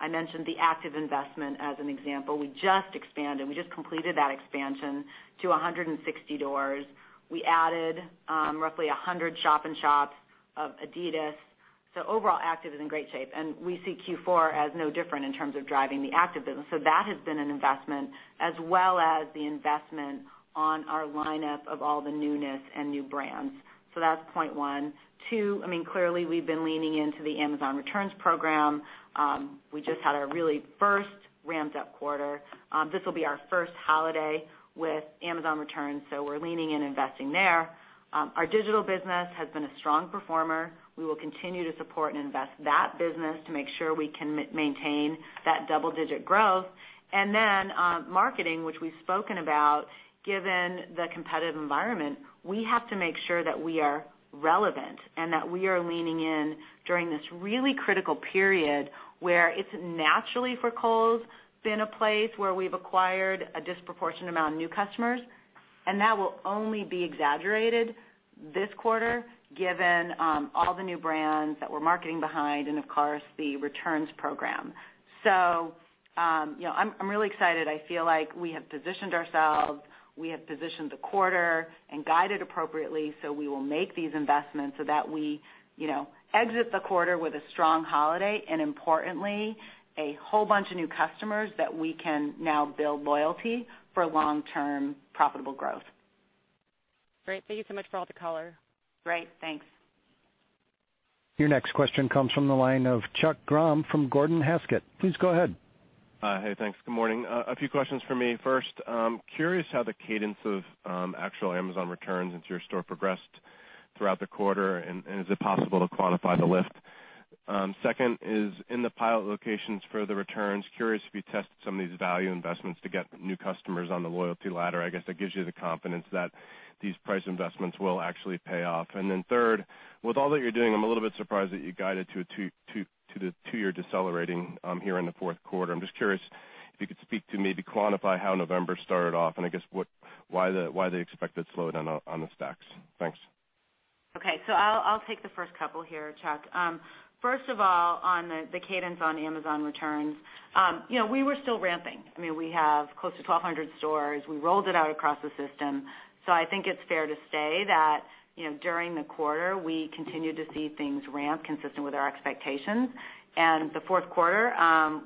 I mentioned the Active investment as an example. We just expanded, and we just completed that expansion to 160 doors. We added roughly 100 shop and shops of Adidas. Overall, Active is in great shape. We see Q4 as no different in terms of driving the Active business. That has been an investment as well as the investment on our lineup of all the newness and new brands. That's point one. Two, I mean, clearly, we've been leaning into the Amazon Returns program. We just had our really first ramped-up quarter. This will be our first holiday with Amazon Returns, so we're leaning and investing there. Our digital business has been a strong performer. We will continue to support and invest that business to make sure we can maintain that double-digit growth. Marketing, which we've spoken about, given the competitive environment, we have to make sure that we are relevant and that we are leaning in during this really critical period where it's naturally for Kohl's been a place where we've acquired a disproportionate amount of new customers. That will only be exaggerated this quarter given all the new brands that we're marketing behind and, of course, the Returns program. I'm really excited. I feel like we have positioned ourselves. We have positioned the quarter and guided appropriately so we will make these investments so that we exit the quarter with a strong holiday and, importantly, a whole bunch of new customers that we can now build loyalty for long-term profitable growth. Great. Thank you so much for all the color. Great. Thanks. Your next question comes from the line of Charles Grom from Gordon Haskett. Please go ahead. Hey, thanks. Good morning. A few questions for me. First, curious how the cadence of actual Amazon Returns into your store progressed throughout the quarter, and is it possible to quantify the lift? Second is, in the pilot locations for the Returns, curious if you tested some of these value investments to get new customers on the loyalty ladder. I guess that gives you the confidence that these price investments will actually pay off. Third, with all that you're doing, I'm a little bit surprised that you guided to the two-year decelerating here in the fourth quarter. I'm just curious if you could speak to maybe quantify how November started off and, I guess, why they expect it slowed on the stacks. Thanks. Okay. I'll take the first couple here, Chuck. First of all, on the cadence on Amazon Returns, we were still ramping. I mean, we have close to 1,200 stores. We rolled it out across the system. I think it's fair to say that during the quarter, we continued to see things ramp consistent with our expectations. The fourth quarter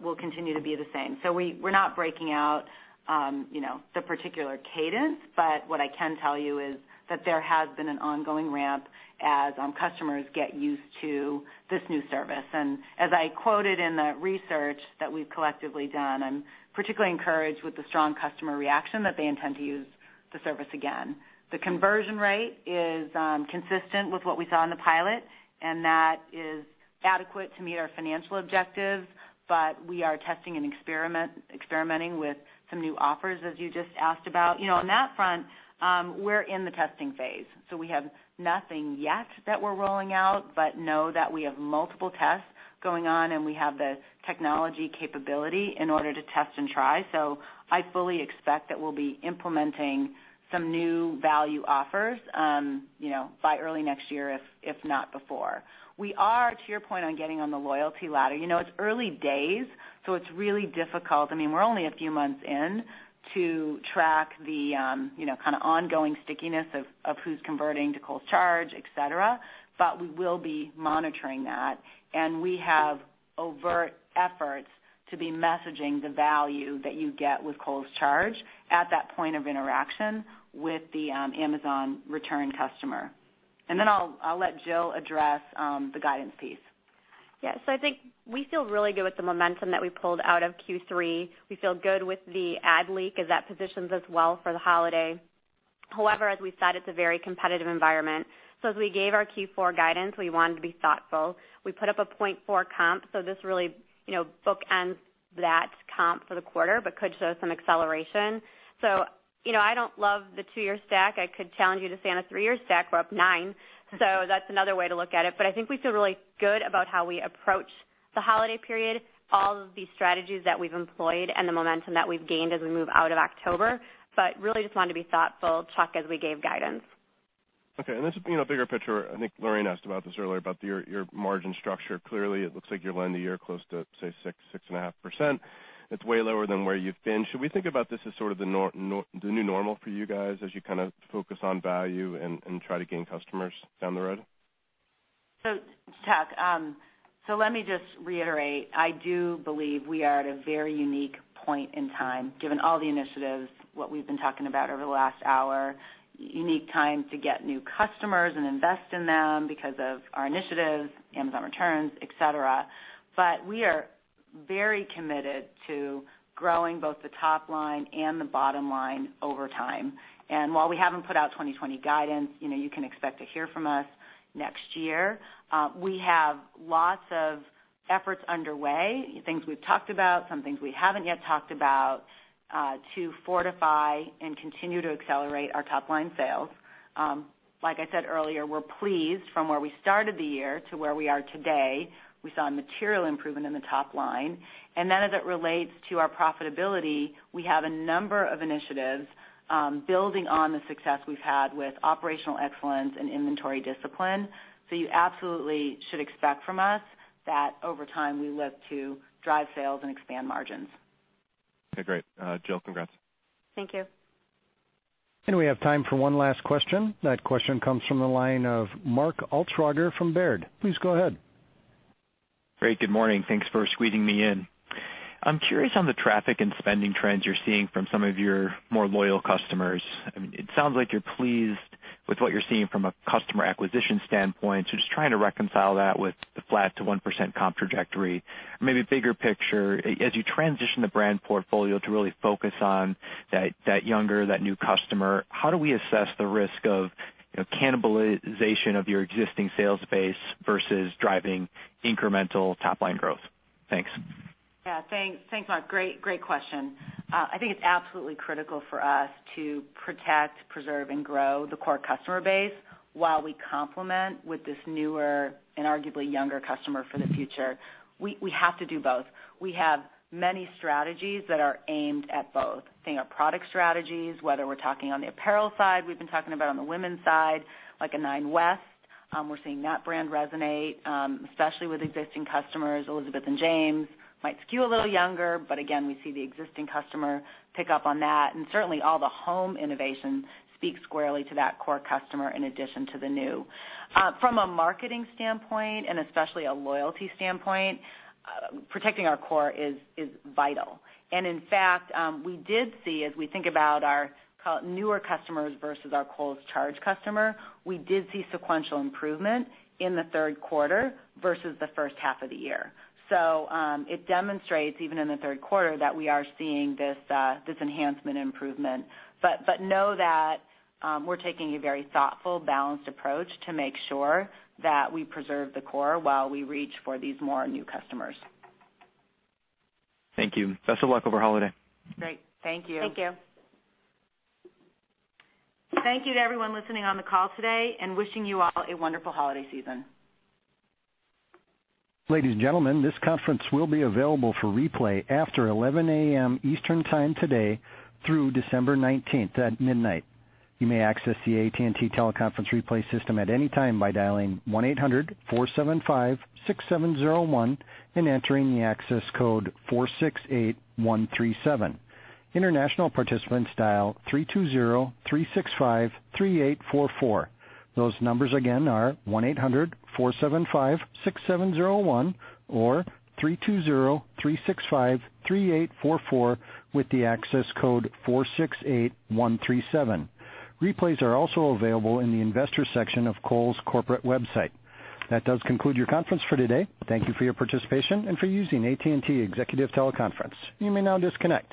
will continue to be the same. We're not breaking out the particular cadence, but what I can tell you is that there has been an ongoing ramp as customers get used to this new service. As I quoted in the research that we've collectively done, I'm particularly encouraged with the strong customer reaction that they intend to use the service again. The conversion rate is consistent with what we saw in the pilot, and that is adequate to meet our financial objectives. We are testing and experimenting with some new offers, as you just asked about. On that front, we're in the testing phase. We have nothing yet that we're rolling out, but know that we have multiple tests going on, and we have the technology capability in order to test and try. I fully expect that we'll be implementing some new value offers by early next year, if not before. We are, to your point, on getting on the loyalty ladder. It's early days, so it's really difficult. I mean, we're only a few months in to track the kind of ongoing stickiness of who's converting to Kohl's Charge, etc., but we will be monitoring that. We have overt efforts to be messaging the value that you get with Kohl's Charge at that point of interaction with the Amazon Return customer. I'll let Jill address the guidance piece. Yeah. I think we feel really good with the momentum that we pulled out of Q3. We feel good with the ad leak as that positions us well for the holiday. However, as we said, it's a very competitive environment. As we gave our Q4 guidance, we wanted to be thoughtful. We put up a 0.4% comp, so this really bookends that comp for the quarter but could show some acceleration. I don't love the two-year stack. I could challenge you to say on a three-year stack, we're up nine. That's another way to look at it. I think we feel really good about how we approach the holiday period, all of the strategies that we've employed, and the momentum that we've gained as we move out of October. I really just wanted to be thoughtful, Chuck, as we gave guidance. Okay. This is a bigger picture. I think Lorraine asked about this earlier, about your margin structure. Clearly, it looks like you're lining the year close to, say, 6-6.5%. It's way lower than where you've been. Should we think about this as sort of the new normal for you guys as you kind of focus on value and try to gain customers down the road? Charles, let me just reiterate. I do believe we are at a very unique point in time, given all the initiatives, what we've been talking about over the last hour, unique time to get new customers and invest in them because of our initiatives, Amazon Returns, etc. We are very committed to growing both the top line and the bottom line over time. While we haven't put out 2020 guidance, you can expect to hear from us next year. We have lots of efforts underway, things we've talked about, some things we haven't yet talked about to fortify and continue to accelerate our top-line sales. Like I said earlier, we're pleased from where we started the year to where we are today. We saw a material improvement in the top line. As it relates to our profitability, we have a number of initiatives building on the success we have had with operational excellence and inventory discipline. You absolutely should expect from us that over time, we look to drive sales and expand margins. Okay. Great. Jill, congrats. Thank you. We have time for one last question. That question comes from the line of Mark Altschwager from Baird. Please go ahead. Great. Good morning. Thanks for squeezing me in. I am curious on the traffic and spending trends you are seeing from some of your more loyal customers. I mean, it sounds like you are pleased with what you are seeing from a customer acquisition standpoint. Just trying to reconcile that with the flat to 1% comp trajectory. Maybe bigger picture, as you transition the brand portfolio to really focus on that younger, that new customer, how do we assess the risk of cannibalization of your existing sales base versus driving incremental top-line growth? Thanks. Yeah. Thanks, Mark. Great question. I think it's absolutely critical for us to protect, preserve, and grow the core customer base while we complement with this newer and arguably younger customer for the future. We have to do both. We have many strategies that are aimed at both. I think our product strategies, whether we're talking on the apparel side we've been talking about, on the women's side, like a Nine West, we're seeing that brand resonate, especially with existing customers. Elizabeth and James might skew a little younger, but again, we see the existing customer pick up on that. Certainly, all the home innovation speaks squarely to that core customer in addition to the new. From a marketing standpoint and especially a loyalty standpoint, protecting our core is vital. In fact, we did see, as we think about our newer customers versus our Kohl's Charge customer, we did see sequential improvement in the third quarter versus the first half of the year. It demonstrates, even in the third quarter, that we are seeing this enhancement improvement. Know that we're taking a very thoughtful, balanced approach to make sure that we preserve the core while we reach for these more new customers. Thank you. Best of luck over holiday. Great. Thank you. Thank you. Thank you to everyone listening on the call today and wishing you all a wonderful holiday season. Ladies and gentlemen, this conference will be available for replay after 11:00 A.M. Eastern Time today through December 19th at midnight. You may access the AT&T teleconference replay system at any time by dialing 1-800-475-6701 and entering the access code 468137. International participants dial 320-365-3844. Those numbers again are 1-800-475-6701 or 320-365-3844 with the access code 468137. Replays are also available in the investor section of Kohl's corporate website. That does conclude your conference for today. Thank you for your participation and for using AT&T Executive Teleconference. You may now disconnect.